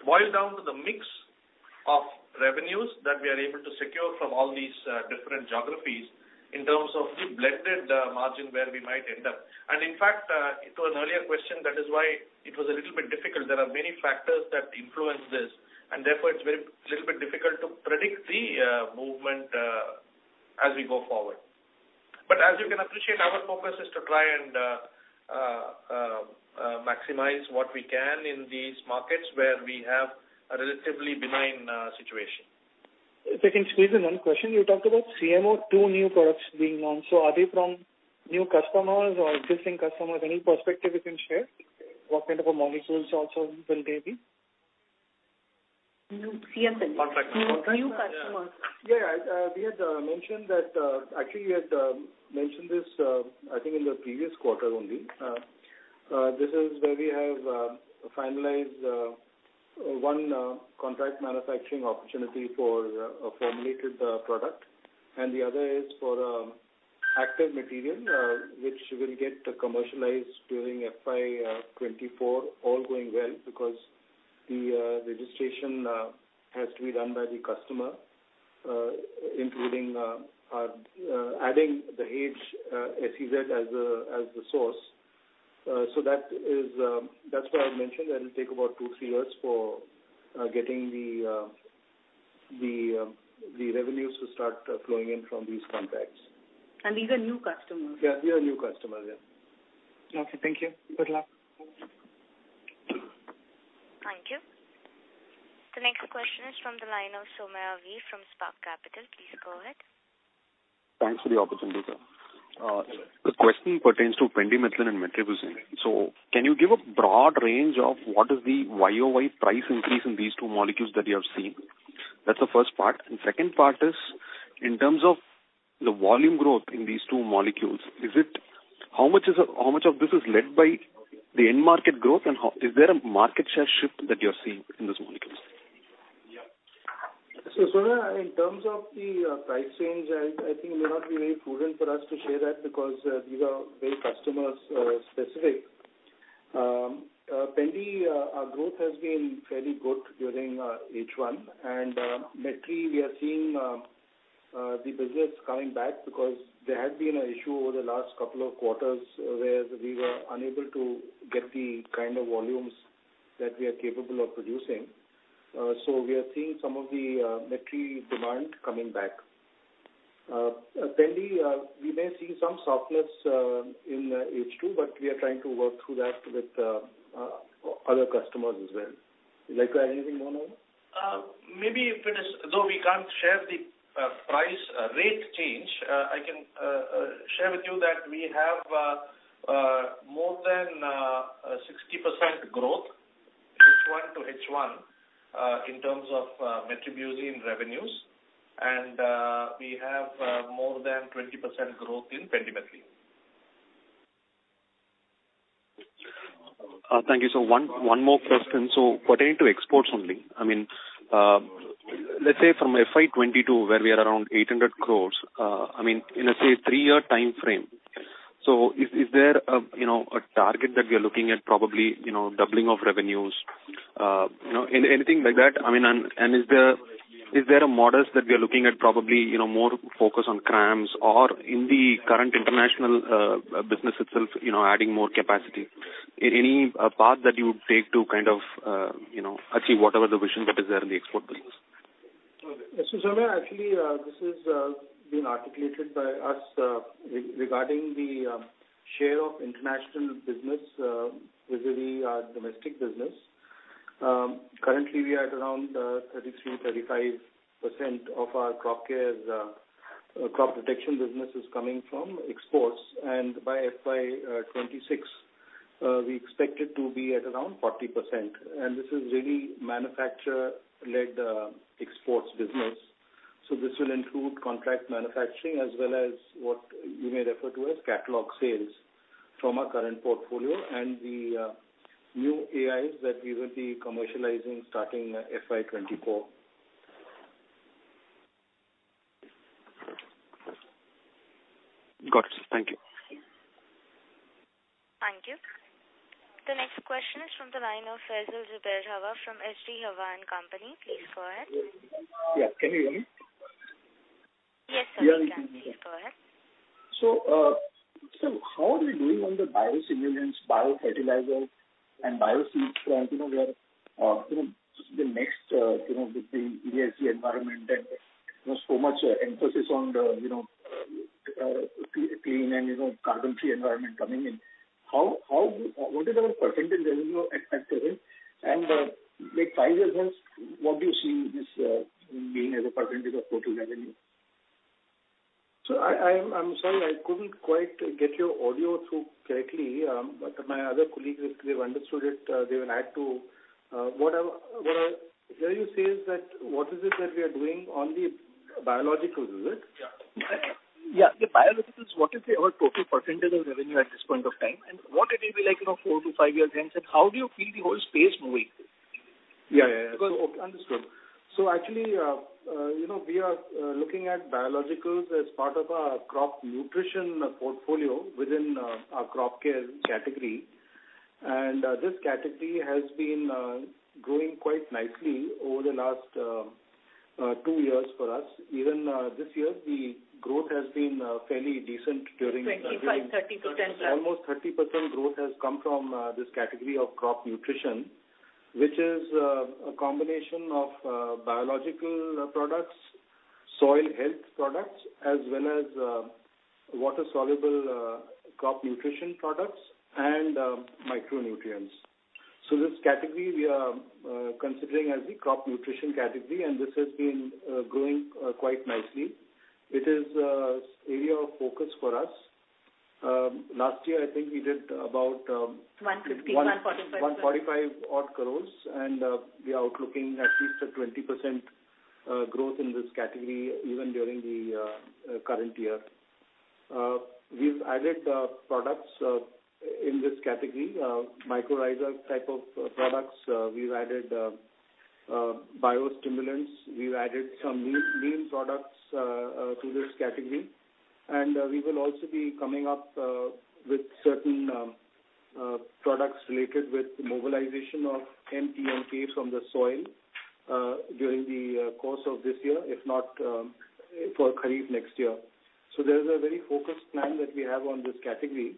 boil down to the mix of revenues that we are able to secure from all these different geographies in terms of the blended margin where we might end up. In fact, it was an earlier question, that is why it was a little bit difficult. There are many factors that influence this, and therefore it's very little bit difficult to predict the movement as we go forward. As you can appreciate, our focus is to try and maximize what we can in these markets where we have a relatively benign situation. If I can squeeze in one question. You talked about CMO, two new products being launched. Are they from new customers or existing customers? Any perspective you can share? What kind of molecules also will they be? New CMO. Contract. New customers. We had mentioned that actually we had mentioned this, I think in the previous quarter only. This is where we have finalized one contract manufacturing opportunity for a formulated product. The other is for active material which will get commercialized during FY 2024, all going well, because the registration has to be done by the customer including adding the Dahej SEZ as the source. That is why I mentioned that it'll take about two to three years for getting the revenues to start flowing in from these contracts. These are new customers. Yeah, these are new customers, yeah. Okay, thank you. Good luck. Thank you. The next question is from the line of Soumya V from Spark Capital. Please go ahead. Thanks for the opportunity, sir. The question pertains to Pendimethalin and Metribuzin. Can you give a broad range of what is the YOY price increase in these two molecules that you have seen? That's the first part. Second part is, in terms of the volume growth in these two molecules, how much of this is led by the end market growth, and is there a market share shift that you're seeing in those molecules? Yeah. Soumya, in terms of the price change, I think it may not be very prudent for us to share that because these are very customer specific. Pendimethalin, our growth has been fairly good during H1. Metribuzin, we are seeing the business coming back because there had been an issue over the last couple of quarters where we were unable to get the kind of volumes that we are capable of producing. We are seeing some of the Metribuzin demand coming back. Pendimethalin, we may see some softness in H2, but we are trying to work through that with other customers as well. Would you like to add anything, Mohit? Maybe if it is, though we can't share the price rate change, I can share with you that we have more than 60% growth H1 to H1 in terms of Metribuzin revenues. We have more than 20% growth in Pendimethalin. Thank you. One more question. Pertaining to exports only, I mean, let's say from FY 2022 where we are around 800 crore, I mean, in let's say three-year timeframe. Is there a target that we are looking at probably, you know, doubling of revenues? You know, anything like that? I mean, and is there a models that we are looking at probably, you know, more focus on CRAMS or in the current international business itself, you know, adding more capacity? Any path that you would take to kind of achieve whatever the vision that is there in the export business? Soumya, actually, this is being articulated by us regarding the share of international business vis-à-vis our domestic business. Currently we are at around 33%-35% of our crop care crop protection business coming from exports. By FY 2026 we expect it to be at around 40%. This is really manufacturer-led exports business. This will include contract manufacturing as well as what you may refer to as catalog sales from our current portfolio and the new AIs that we will be commercializing starting FY 2024. Got it. Thank you. Thank you. The next question is from the line of Faisal Zubair Hawa from H.D. Hawa & Co. Please go ahead. Yeah. Can you hear me? Yes, sir. We can. Please go ahead. How are we doing on the biostimulants, biofertilizers and bioseeds front? You know, we are, you know, the next, you know, with the ESG environment and, you know, so much emphasis on the, you know, clean and, you know, carbon-free environment coming in. How, what is our percentage revenue at present? Like five years hence, what do you see this being as a percentage of total revenue? I'm sorry, I couldn't quite get your audio through correctly. My other colleagues, if they've understood it, they will add to. What I hear you say is that what is it that we are doing on the biologicals, is it? Yeah. Yeah, the biologicals, what is their total percentage of revenue at this point of time? What it will be like, you know, four to five years hence, and how do you feel the whole space moving? Yeah. Understood. Actually, you know, we are looking at biologicals as part of our crop nutrition portfolio within our crop care category. This category has been growing quite nicely over the last two years for us. Even this year the growth has been fairly decent during. 25%-30% Almost 30% growth has come from this category of crop nutrition, which is a combination of biological products, soil health products, as well as water-soluble crop nutrition products and micronutrients. This category we are considering as the crop nutrition category, and this has been growing quite nicely. It is an area of focus for us. Last year I think we did about 150, 145. 145-odd crore and we are looking at least 20% growth in this category even during the current year. We've added products in this category, mycorrhizal type of products. We've added biostimulants. We've added some new products to this category. We will also be coming up with certain products related with mobilization of NPK from the soil during the course of this year, if not for Kharif next year. There's a very focused plan that we have on this category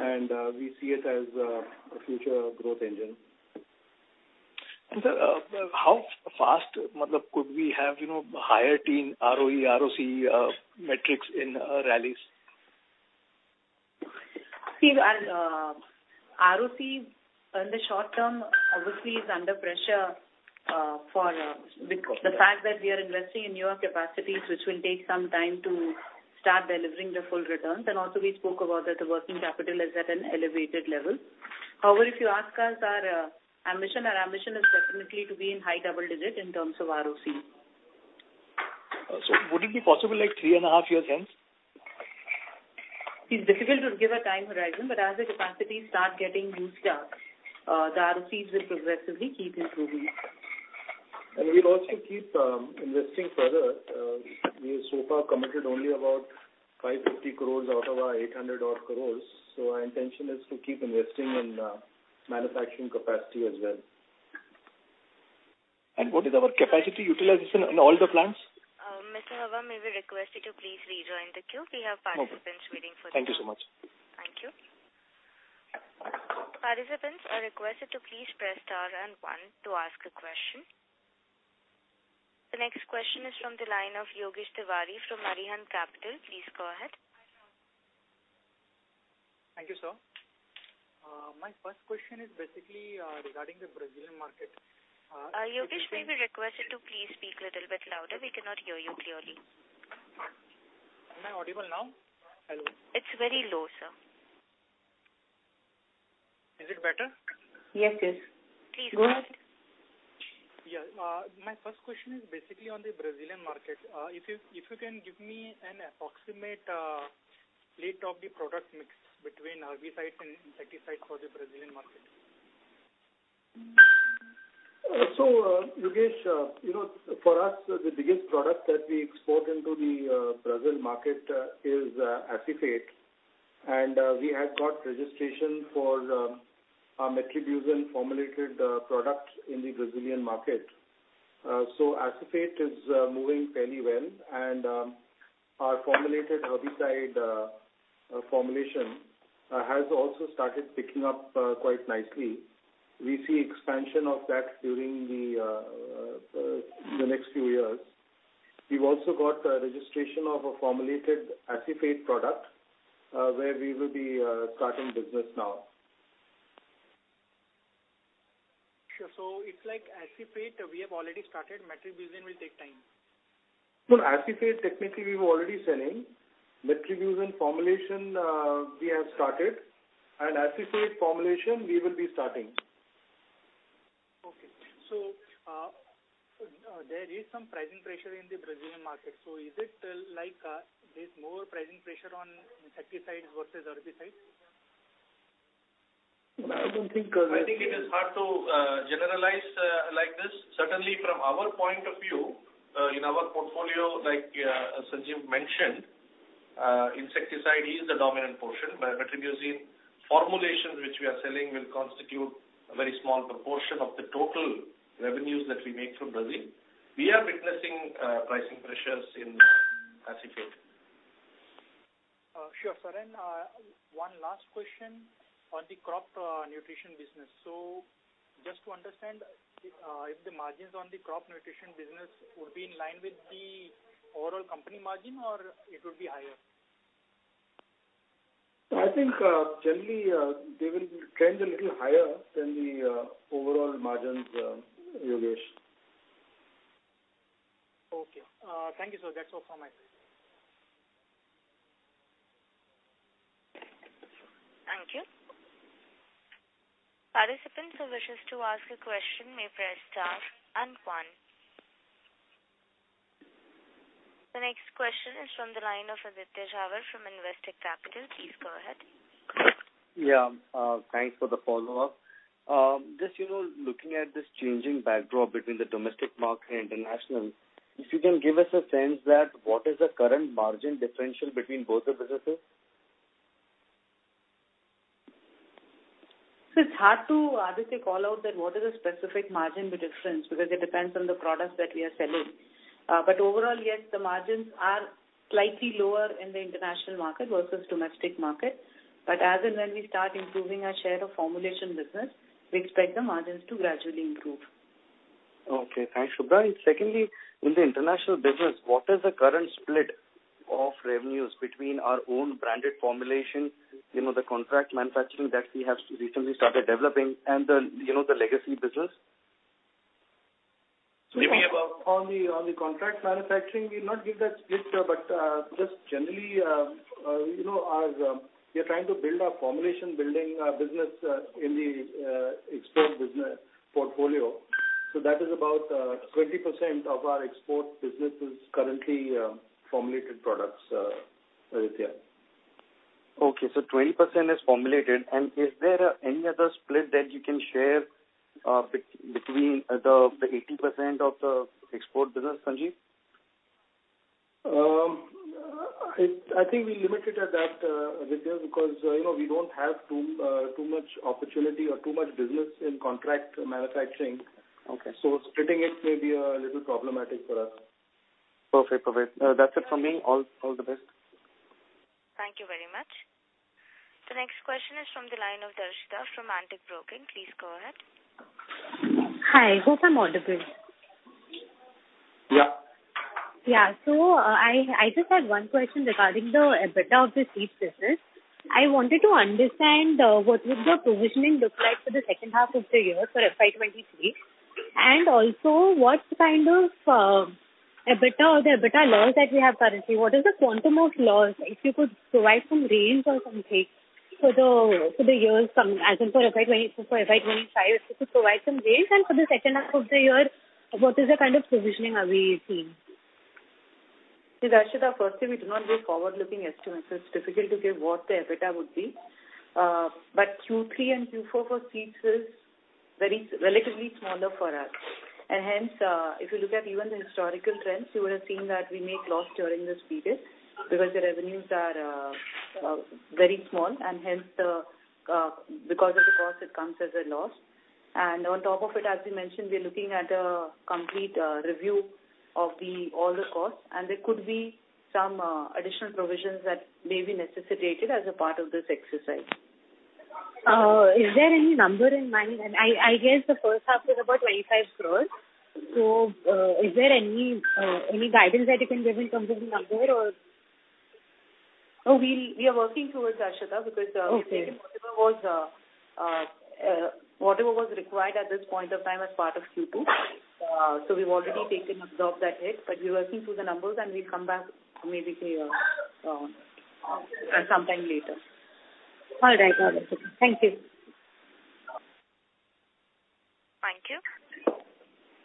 and we see it as a future growth engine. Sir, how fast could we have, you know, higher than ROE, ROC metrics in Rallis? ROC in the short term obviously is under pressure for the fact that we are investing in newer capacities which will take some time to start delivering the full returns. Also we spoke about that the working capital is at an elevated level. However, if you ask us our ambition is definitely to be in high double digit in terms of ROC. Would it be possible like three and a half years hence? It's difficult to give a time horizon, but as the capacities start getting boosted, the ROCs will progressively keep improving. We'll also keep investing further. We have so far committed only about 550 crore out of our 800-odd crore. Our intention is to keep investing in manufacturing capacity as well. What is our capacity utilization in all the plants? Mr. Hawa, may we request you to please rejoin the queue. We have participants waiting for you. Okay. Thank you so much. Thank you. Participants are requested to please press star and one to ask a question. The next question is from the line of Yogesh Tiwari from Arihant Capital. Please go ahead. Thank you, sir. My first question is basically regarding the Brazilian market. Yogesh, may we request you to please speak a little bit louder. We cannot hear you clearly. Am I audible now? Hello. It's very low, sir. Is it better? Yes, yes. Please go ahead. Yeah. My first question is basically on the Brazilian market. If you can give me an approximate split of the product mix between herbicides and insecticides for the Brazilian market? Yogesh, you know, for us, the biggest product that we export into the Brazil market is Acephate. We have got registration for our Metribuzin formulated product in the Brazilian market. Acephate is moving fairly well, and our formulated herbicide formulation has also started picking up quite nicely. We see expansion of that during the next few years. We've also got a registration of a formulated Acephate product where we will be starting business now. Sure. It's like Acephate, we have already started, Metribuzin will take time. No. Acephate, technically we were already selling. Metribuzin formulation, we have started. Acephate formulation, we will be starting. Okay. There is some pricing pressure in the Brazilian market. Is it, like, there's more pricing pressure on insecticides versus herbicides? No, I don't think. I think it is hard to generalize like this. Certainly from our point of view in our portfolio, like Sanjiv mentioned, insecticide is the dominant portion. Metribuzin formulation which we are selling will constitute a very small proportion of the total revenues that we make from Brazil. We are witnessing pricing pressures in Acephate. Sure. Sir, and one last question on the crop nutrition business. Just to understand, if the margins on the crop nutrition business would be in line with the overall company margin or it would be higher? I think, generally, they will trend a little higher than the overall margins, Yogesh. Okay. Thank you, sir. That's all from my side. Thank you. Participants who wishes to ask a question may press star and one. The next question is from the line of Aditya Jhawar from Investec Capital. Please go ahead. Yeah. Thanks for the follow-up. Just, you know, looking at this changing backdrop between the domestic market and international, if you can give us a sense that what is the current margin differential between both the businesses? It's hard to, Aditya, call out that what is the specific margin difference because it depends on the products that we are selling. Overall, yes, the margins are slightly lower in the international market versus domestic market. As and when we start improving our share of formulation business, we expect the margins to gradually improve. Okay. Thanks, Subhra. Secondly, in the international business, what is the current split of revenues between our own branded formulation, you know, the contract manufacturing that we have recently started developing and the, you know, the legacy business? On the contract manufacturing, we'll not give that split, but just generally, you know, as we are trying to build our formulation business in the export business portfolio. That is about 20% of our export business is currently formulated products, Aditya Jhawar. Okay. Twenty percent is formulated. Is there any other split that you can share between the 80% of the export business, Sanjiv? I think we limit it at that, Aditya, because you know, we don't have too much opportunity or too much business in contract manufacturing. Okay. Splitting it may be a little problematic for us. Perfect. That's it from me. All the best. Thank you very much. The next question is from the line of Darshita from Antique Stock Broking. Please go ahead. Hi. Hope I'm audible. Yeah. Yeah. I just had one question regarding the EBITDA of the seeds business. I wanted to understand what would the provisioning look like for the second half of the year for FY 2023. Also what kind of EBITDA or the EBITDA loss that we have currently. What is the quantum of loss? If you could provide some range or something for the years coming, as in for FY 2024, FY 2025. If you could provide some range. For the second half of the year, what is the kind of provisioning are we seeing? See, Darshita, firstly we do not give forward-looking estimates, so it's difficult to say what the EBITDA would be. But Q3 and Q4 for seeds is relatively smaller for us. Hence, if you look at even the historical trends, you would have seen that we make loss during this period because the revenues are very small and hence because of the cost it comes as a loss. On top of it, as we mentioned, we're looking at a complete review of all the costs, and there could be some additional provisions that may be necessitated as a part of this exercise. Is there any number in mind? I guess the first half is about 25 crores. Is there any guidance that you can give in terms of the number or... No, we are working toward that, Darshita, because. Okay. We've taken whatever was required at this point of time as part of Q2. We've already taken absorbed that hit, but we're working through the numbers and we'll come back maybe to you sometime later. All right. Thank you. Thank you.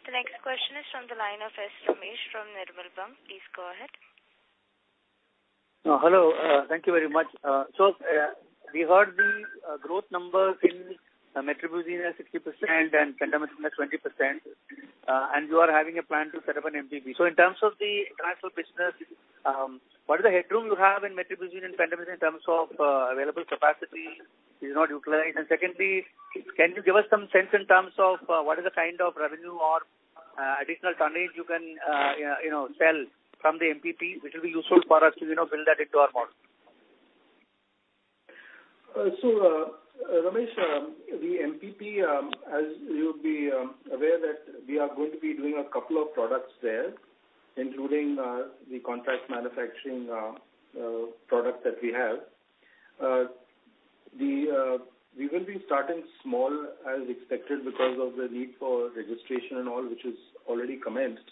The next question is from the line of S. Ramesh from Nirmal Bang. Please go ahead. Hello. Thank you very much. We heard the growth numbers in Metribuzin are 60% and Pendimethalin are 20%, and you are having a plan to set up an MPP. In terms of the transfer business, what is the headroom you have in Metribuzin and Pendimethalin in terms of available capacity is not utilized. Secondly, can you give us some sense in terms of what is the kind of revenue or additional tonnage you can you know sell from the MPP, which will be useful for us to you know build that into our model. Ramesh, the MPP, as you'll be aware that we are going to be doing a couple of products there, including the contract manufacturing product that we have. We will be starting small as expected because of the need for registration and all which is already commenced.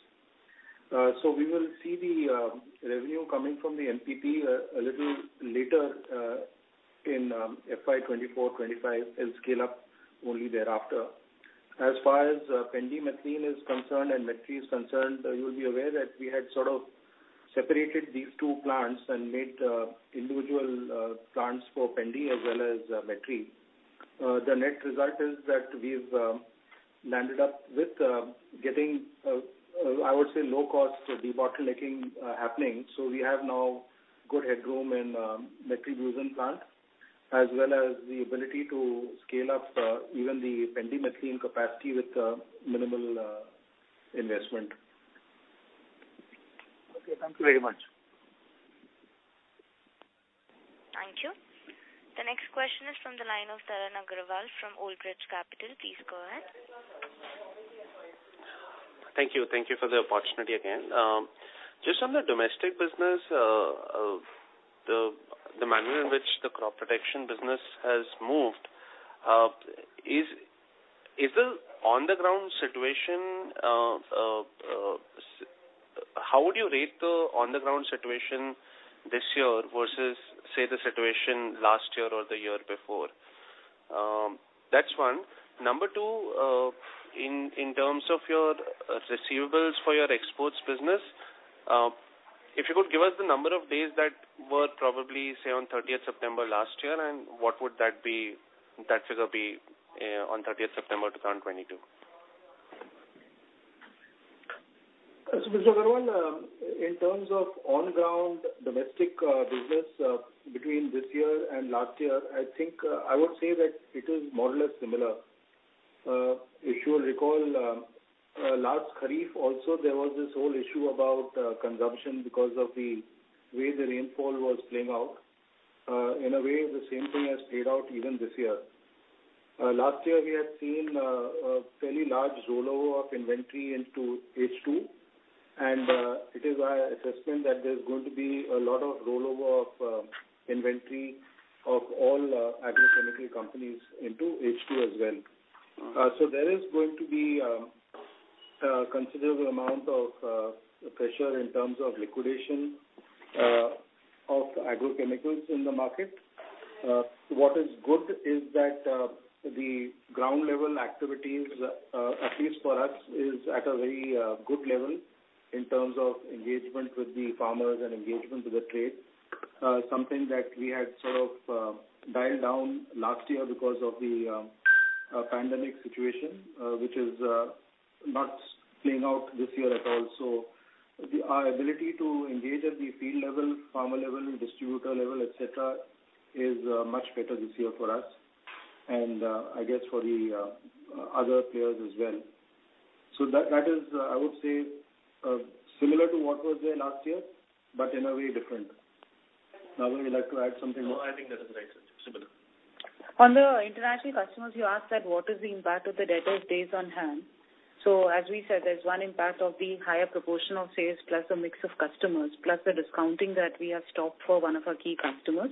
We will see the revenue coming from the MPP a little later in FY 2024-FY 2025, and scale up only thereafter. As far as pendimethalin is concerned and Metribuzin is concerned, you will be aware that we had sort of separated these two plants and made individual plants for pendimethalin as well as Metribuzin. The net result is that we've landed up with getting, I would say, low-cost debottlenecking happening. We have now good headroom in Metribuzin plant, as well as the ability to scale up even the Pendimethalin capacity with minimal investment. Okay. Thank you very much. Thank you. The next question is from the line of Tarang Agrawal from Old Bridge Capital. Please go ahead. Thank you. Thank you for the opportunity again. Just on the domestic business, in the manner in which the crop protection business has moved, how would you rate the on-the-ground situation this year versus, say, the situation last year or the year before? That's one. Number two, in terms of your receivables for your exports business, if you could give us the number of days that were probably, say, on September 30th last year, and what would that figure be on September 30th, 2022. Mr. Agrawal, in terms of on ground domestic business between this year and last year, I think I would say that it is more or less similar. If you will recall, last Kharif also there was this whole issue about consumption because of the way the rainfall was playing out. In a way, the same thing has played out even this year. Last year we had seen a fairly large rollover of inventory into H2, and it is our assessment that there's going to be a lot of rollover of inventory of all agrochemical companies into H2 as well. There is going to be considerable amount of pressure in terms of liquidation of agrochemicals in the market. What is good is that the ground level activities, at least for us, is at a very good level in terms of engagement with the farmers and engagement with the trade. Something that we had sort of dialed down last year because of the pandemic situation, which is not playing out this year at all. Our ability to engage at the field level, farmer level, distributor level, et cetera, is much better this year for us and I guess for the other players as well. That is, I would say, similar to what was there last year, but in a way different. Nagarajan, would you like to add something? No, I think that is right, sir. Similar. On the international customers, you asked that what is the impact of the debtors days on hand. As we said, there's one impact of the higher proportion of sales plus the mix of customers, plus the discounting that we have stopped for one of our key customers.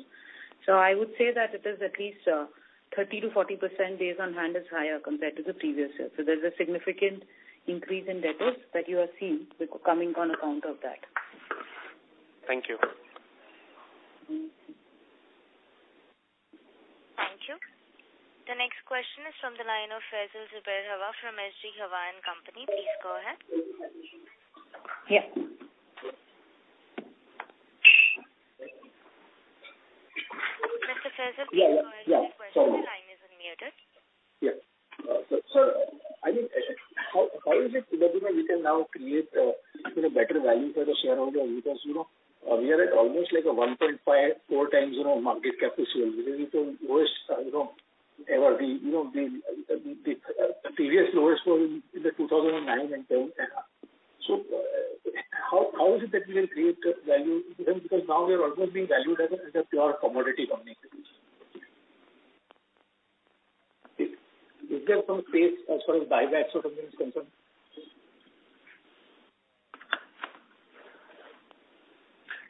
I would say that it is at least 30%-40% days on hand is higher compared to the previous year. There's a significant increase in debtors that you are seeing with coming on account of that. Thank you. Thank you. The next question is from the line of Faisal Zubair Hawa from H.D. Hawa & Co. Please go ahead. Yeah. Mr. Faisal, please go ahead with your question. Your line is unmuted. Yeah. So I mean, how is it, Subhra Gourisaria, that you can now create you know better value for the shareholder? Because you know we are at almost like a 1.54x you know market cap. This is the worst you know ever. The you know previous lowest was in the 2009 and 2010 era. How is it that we will create value even because now we are almost being valued as a pure commodity company? Is there some space as far as buyback sort of things concerned?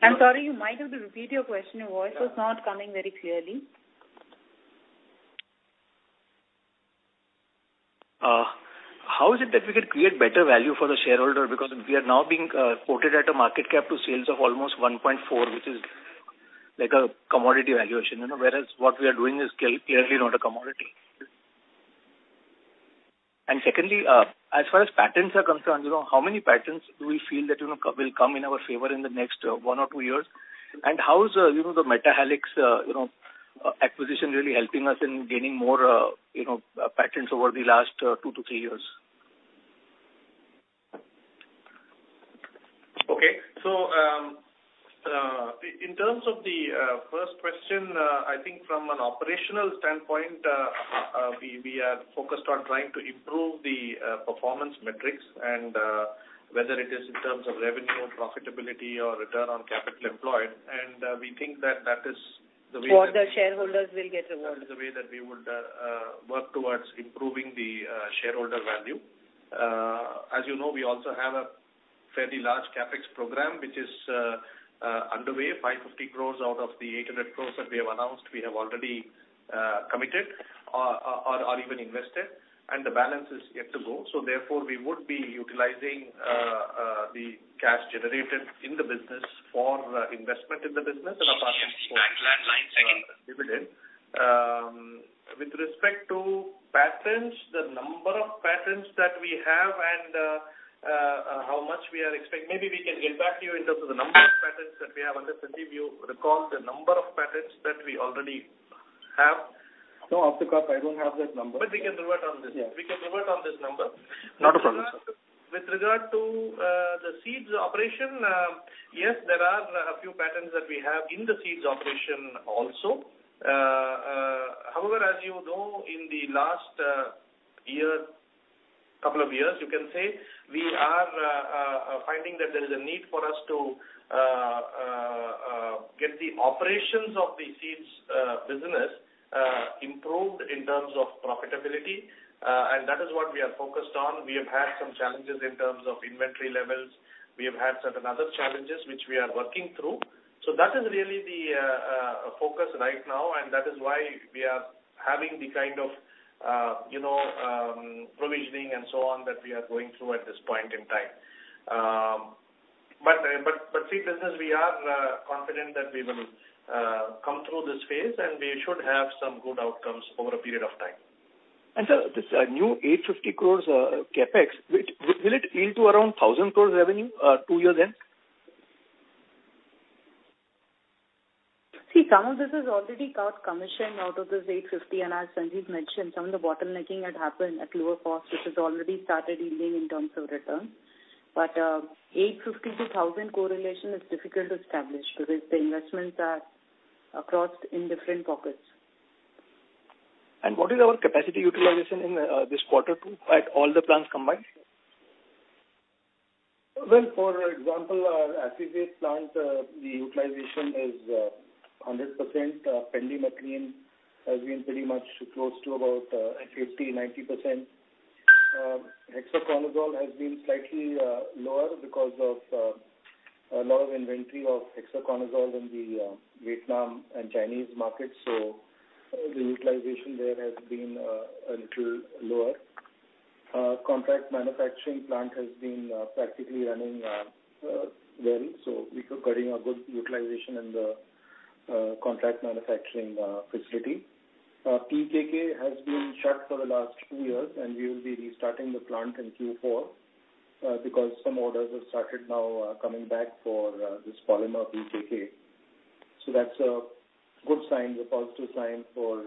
I'm sorry. You might have to repeat your question. Your voice was not coming very clearly. How is it that we could create better value for the shareholder because we are now being quoted at a market cap to sales of almost 1.4x, which is like a commodity valuation, you know, whereas what we are doing is clearly not a commodity. Secondly, as far as patents are concerned, you know, how many patents do we feel that, you know, will come in our favor in the next one or two years? How is, you know, the Metahelix, you know, acquisition really helping us in gaining more, you know, patents over the last two to three years? In terms of the first question, I think from an operational standpoint, we are focused on trying to improve the performance metrics and whether it is in terms of revenue, profitability or return on capital employed. We think that is the way that All the shareholders will get rewards. That is the way that we would work towards improving the shareholder value. As you know, we also have a fairly large CapEx program, which is underway. 550 crores out of the 800 crores that we have announced, we have already committed or even invested, and the balance is yet to go. Therefore, we would be utilizing the cash generated in the business for investment in the business and apart from- Excuse me. Can you please repeat the line again? Dividend. With respect to patents, the number of patents that we have. Maybe we can get back to you in terms of the number of patents that we have. I'm not sure if you recall the number of patents that we already have. No, off the cuff, I don't have that number. We can revert on this. Yeah. We can revert on this number. Not a problem, sir. With regard to the seeds operation, yes, there are a few patents that we have in the seeds operation also. However, as you know, in the last year, couple of years, you can say, we are finding that there is a need for us to get the operations of the seeds business improved in terms of profitability. That is what we are focused on. We have had some challenges in terms of inventory levels. We have had certain other challenges which we are working through. That is really the focus right now, and that is why we are having the kind of you know, provisioning and so on that we are going through at this point in time. Seed business, we are confident that we will come through this phase, and we should have some good outcomes over a period of time. Sir, this new 850 crore CapEx, which will it yield to around 1,000 crore revenue two years end? See, some of this is already got commissioned out of this 850. As Sanjiv mentioned, some of the bottlenecks had happened at lower cost, which has already started yielding in terms of returns. 850 to 1,000 correlation is difficult to establish because the investments are across different pockets. What is our capacity utilization in this quarter too, at all the plants combined? Well, for example, our acid-based plant, the utilization is 100%. Pendimethalin has been pretty much close to about 59%. Hexaconazole has been slightly lower because of a lot of inventory of Hexaconazole in the Vietnam and Chinese market. The utilization there has been a little lower. Contract manufacturing plant has been practically running well. We're recording a good utilization in the contract manufacturing facility. TKK has been shut for the last two years, and we will be restarting the plant in Q4 because some orders have started now coming back for this polymer TKK. That's a good sign, a positive sign for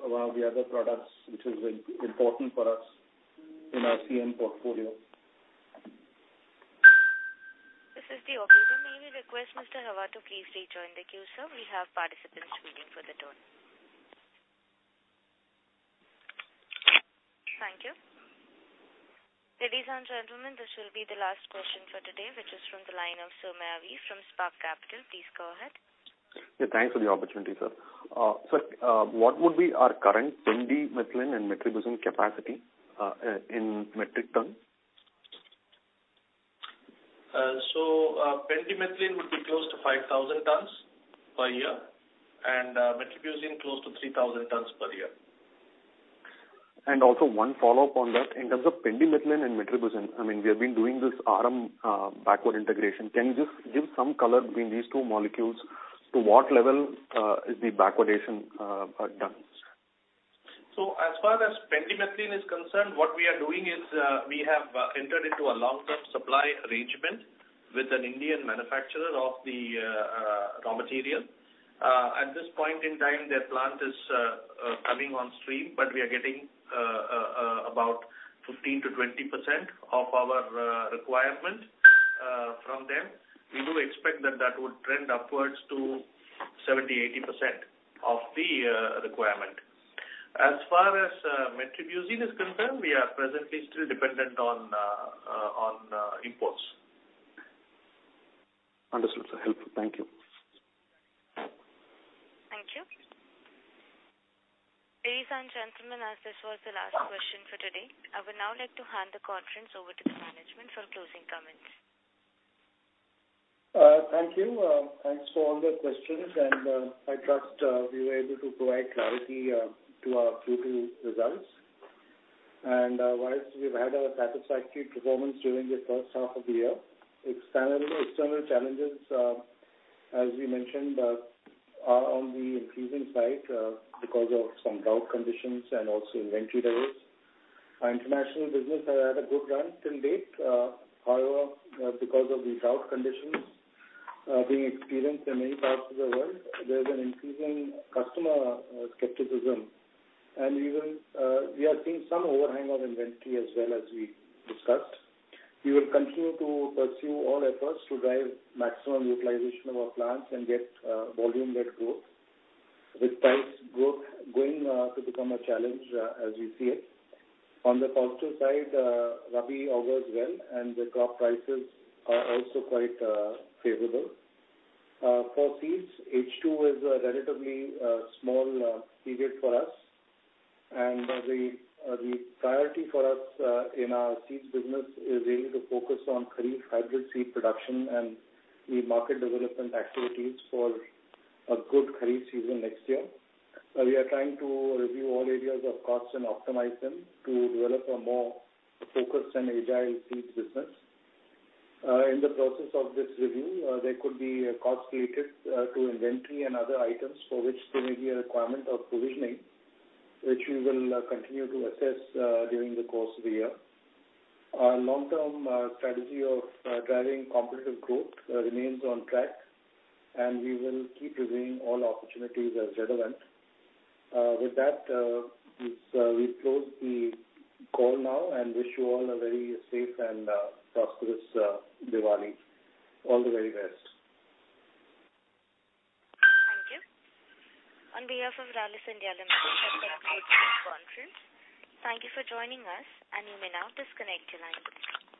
one of the other products which is important for us in our CM portfolio. This is the operator. May we request Mr. Hawa to please rejoin the queue, sir. We have participants waiting for the turn. Thank you. Ladies and gentlemen, this will be the last question for today, which is from the line of Sowmya from Spark Capital. Please go ahead. Yeah, thanks for the opportunity, sir. What would be our current Pendimethalin and Metribuzin capacity in metric ton? Pendimethalin would be close to 5,000 tons per year and metribuzin close to 3,000 tons per year. Also one follow-up on that. In terms of Pendimethalin and Metribuzin, I mean, we have been doing this RM backward integration. Can you just give some color between these two molecules to what level is the backward integration done, sir? As far as Pendimethalin is concerned, what we are doing is, we have entered into a long-term supply arrangement with an Indian manufacturer of the raw material. At this point in time, their plant is coming on stream, but we are getting about 15%-20% of our requirement from them. We do expect that would trend upwards to 70%-80% of the requirement. As far as Metribuzin is concerned, we are presently still dependent on imports. Understood, sir. Helpful. Thank you. Thank you. Ladies and gentlemen, as this was the last question for today, I would now like to hand the conference over to the management for closing comments. Thank you. Thanks for all the questions, and I trust we were able to provide clarity to our Q2 results. While we've had a satisfactory performance during the first half of the year, external challenges, as we mentioned, are on the increasing side, because of some drought conditions and also inventory levels. Our international business has had a good run to date. However, because of the drought conditions being experienced in many parts of the world, there's an increasing customer skepticism. Even, we are seeing some overhang on inventory as well as we discussed. We will continue to pursue all efforts to drive maximum utilization of our plants and get volume-led growth, with price growth going to become a challenge, as we see it. On the positive side, Rabi augurs well, and the crop prices are also quite favorable. For seeds, H2 is a relatively small period for us. The priority for us in our seeds business is really to focus on Kharif hybrid seed production and the market development activities for a good Kharif season next year. We are trying to review all areas of costs and optimize them to develop a more focused and agile seeds business. In the process of this review, there could be costs related to inventory and other items for which there may be a requirement of provisioning, which we will continue to assess during the course of the year. Our long-term strategy of driving competitive growth remains on track, and we will keep reviewing all opportunities as relevant. With that, we close the call now and wish you all a very safe and prosperous Diwali. All the very best. Thank you. On behalf of Rallis India Limited, I'd like to close this conference. Thank you for joining us, and you may now disconnect your line.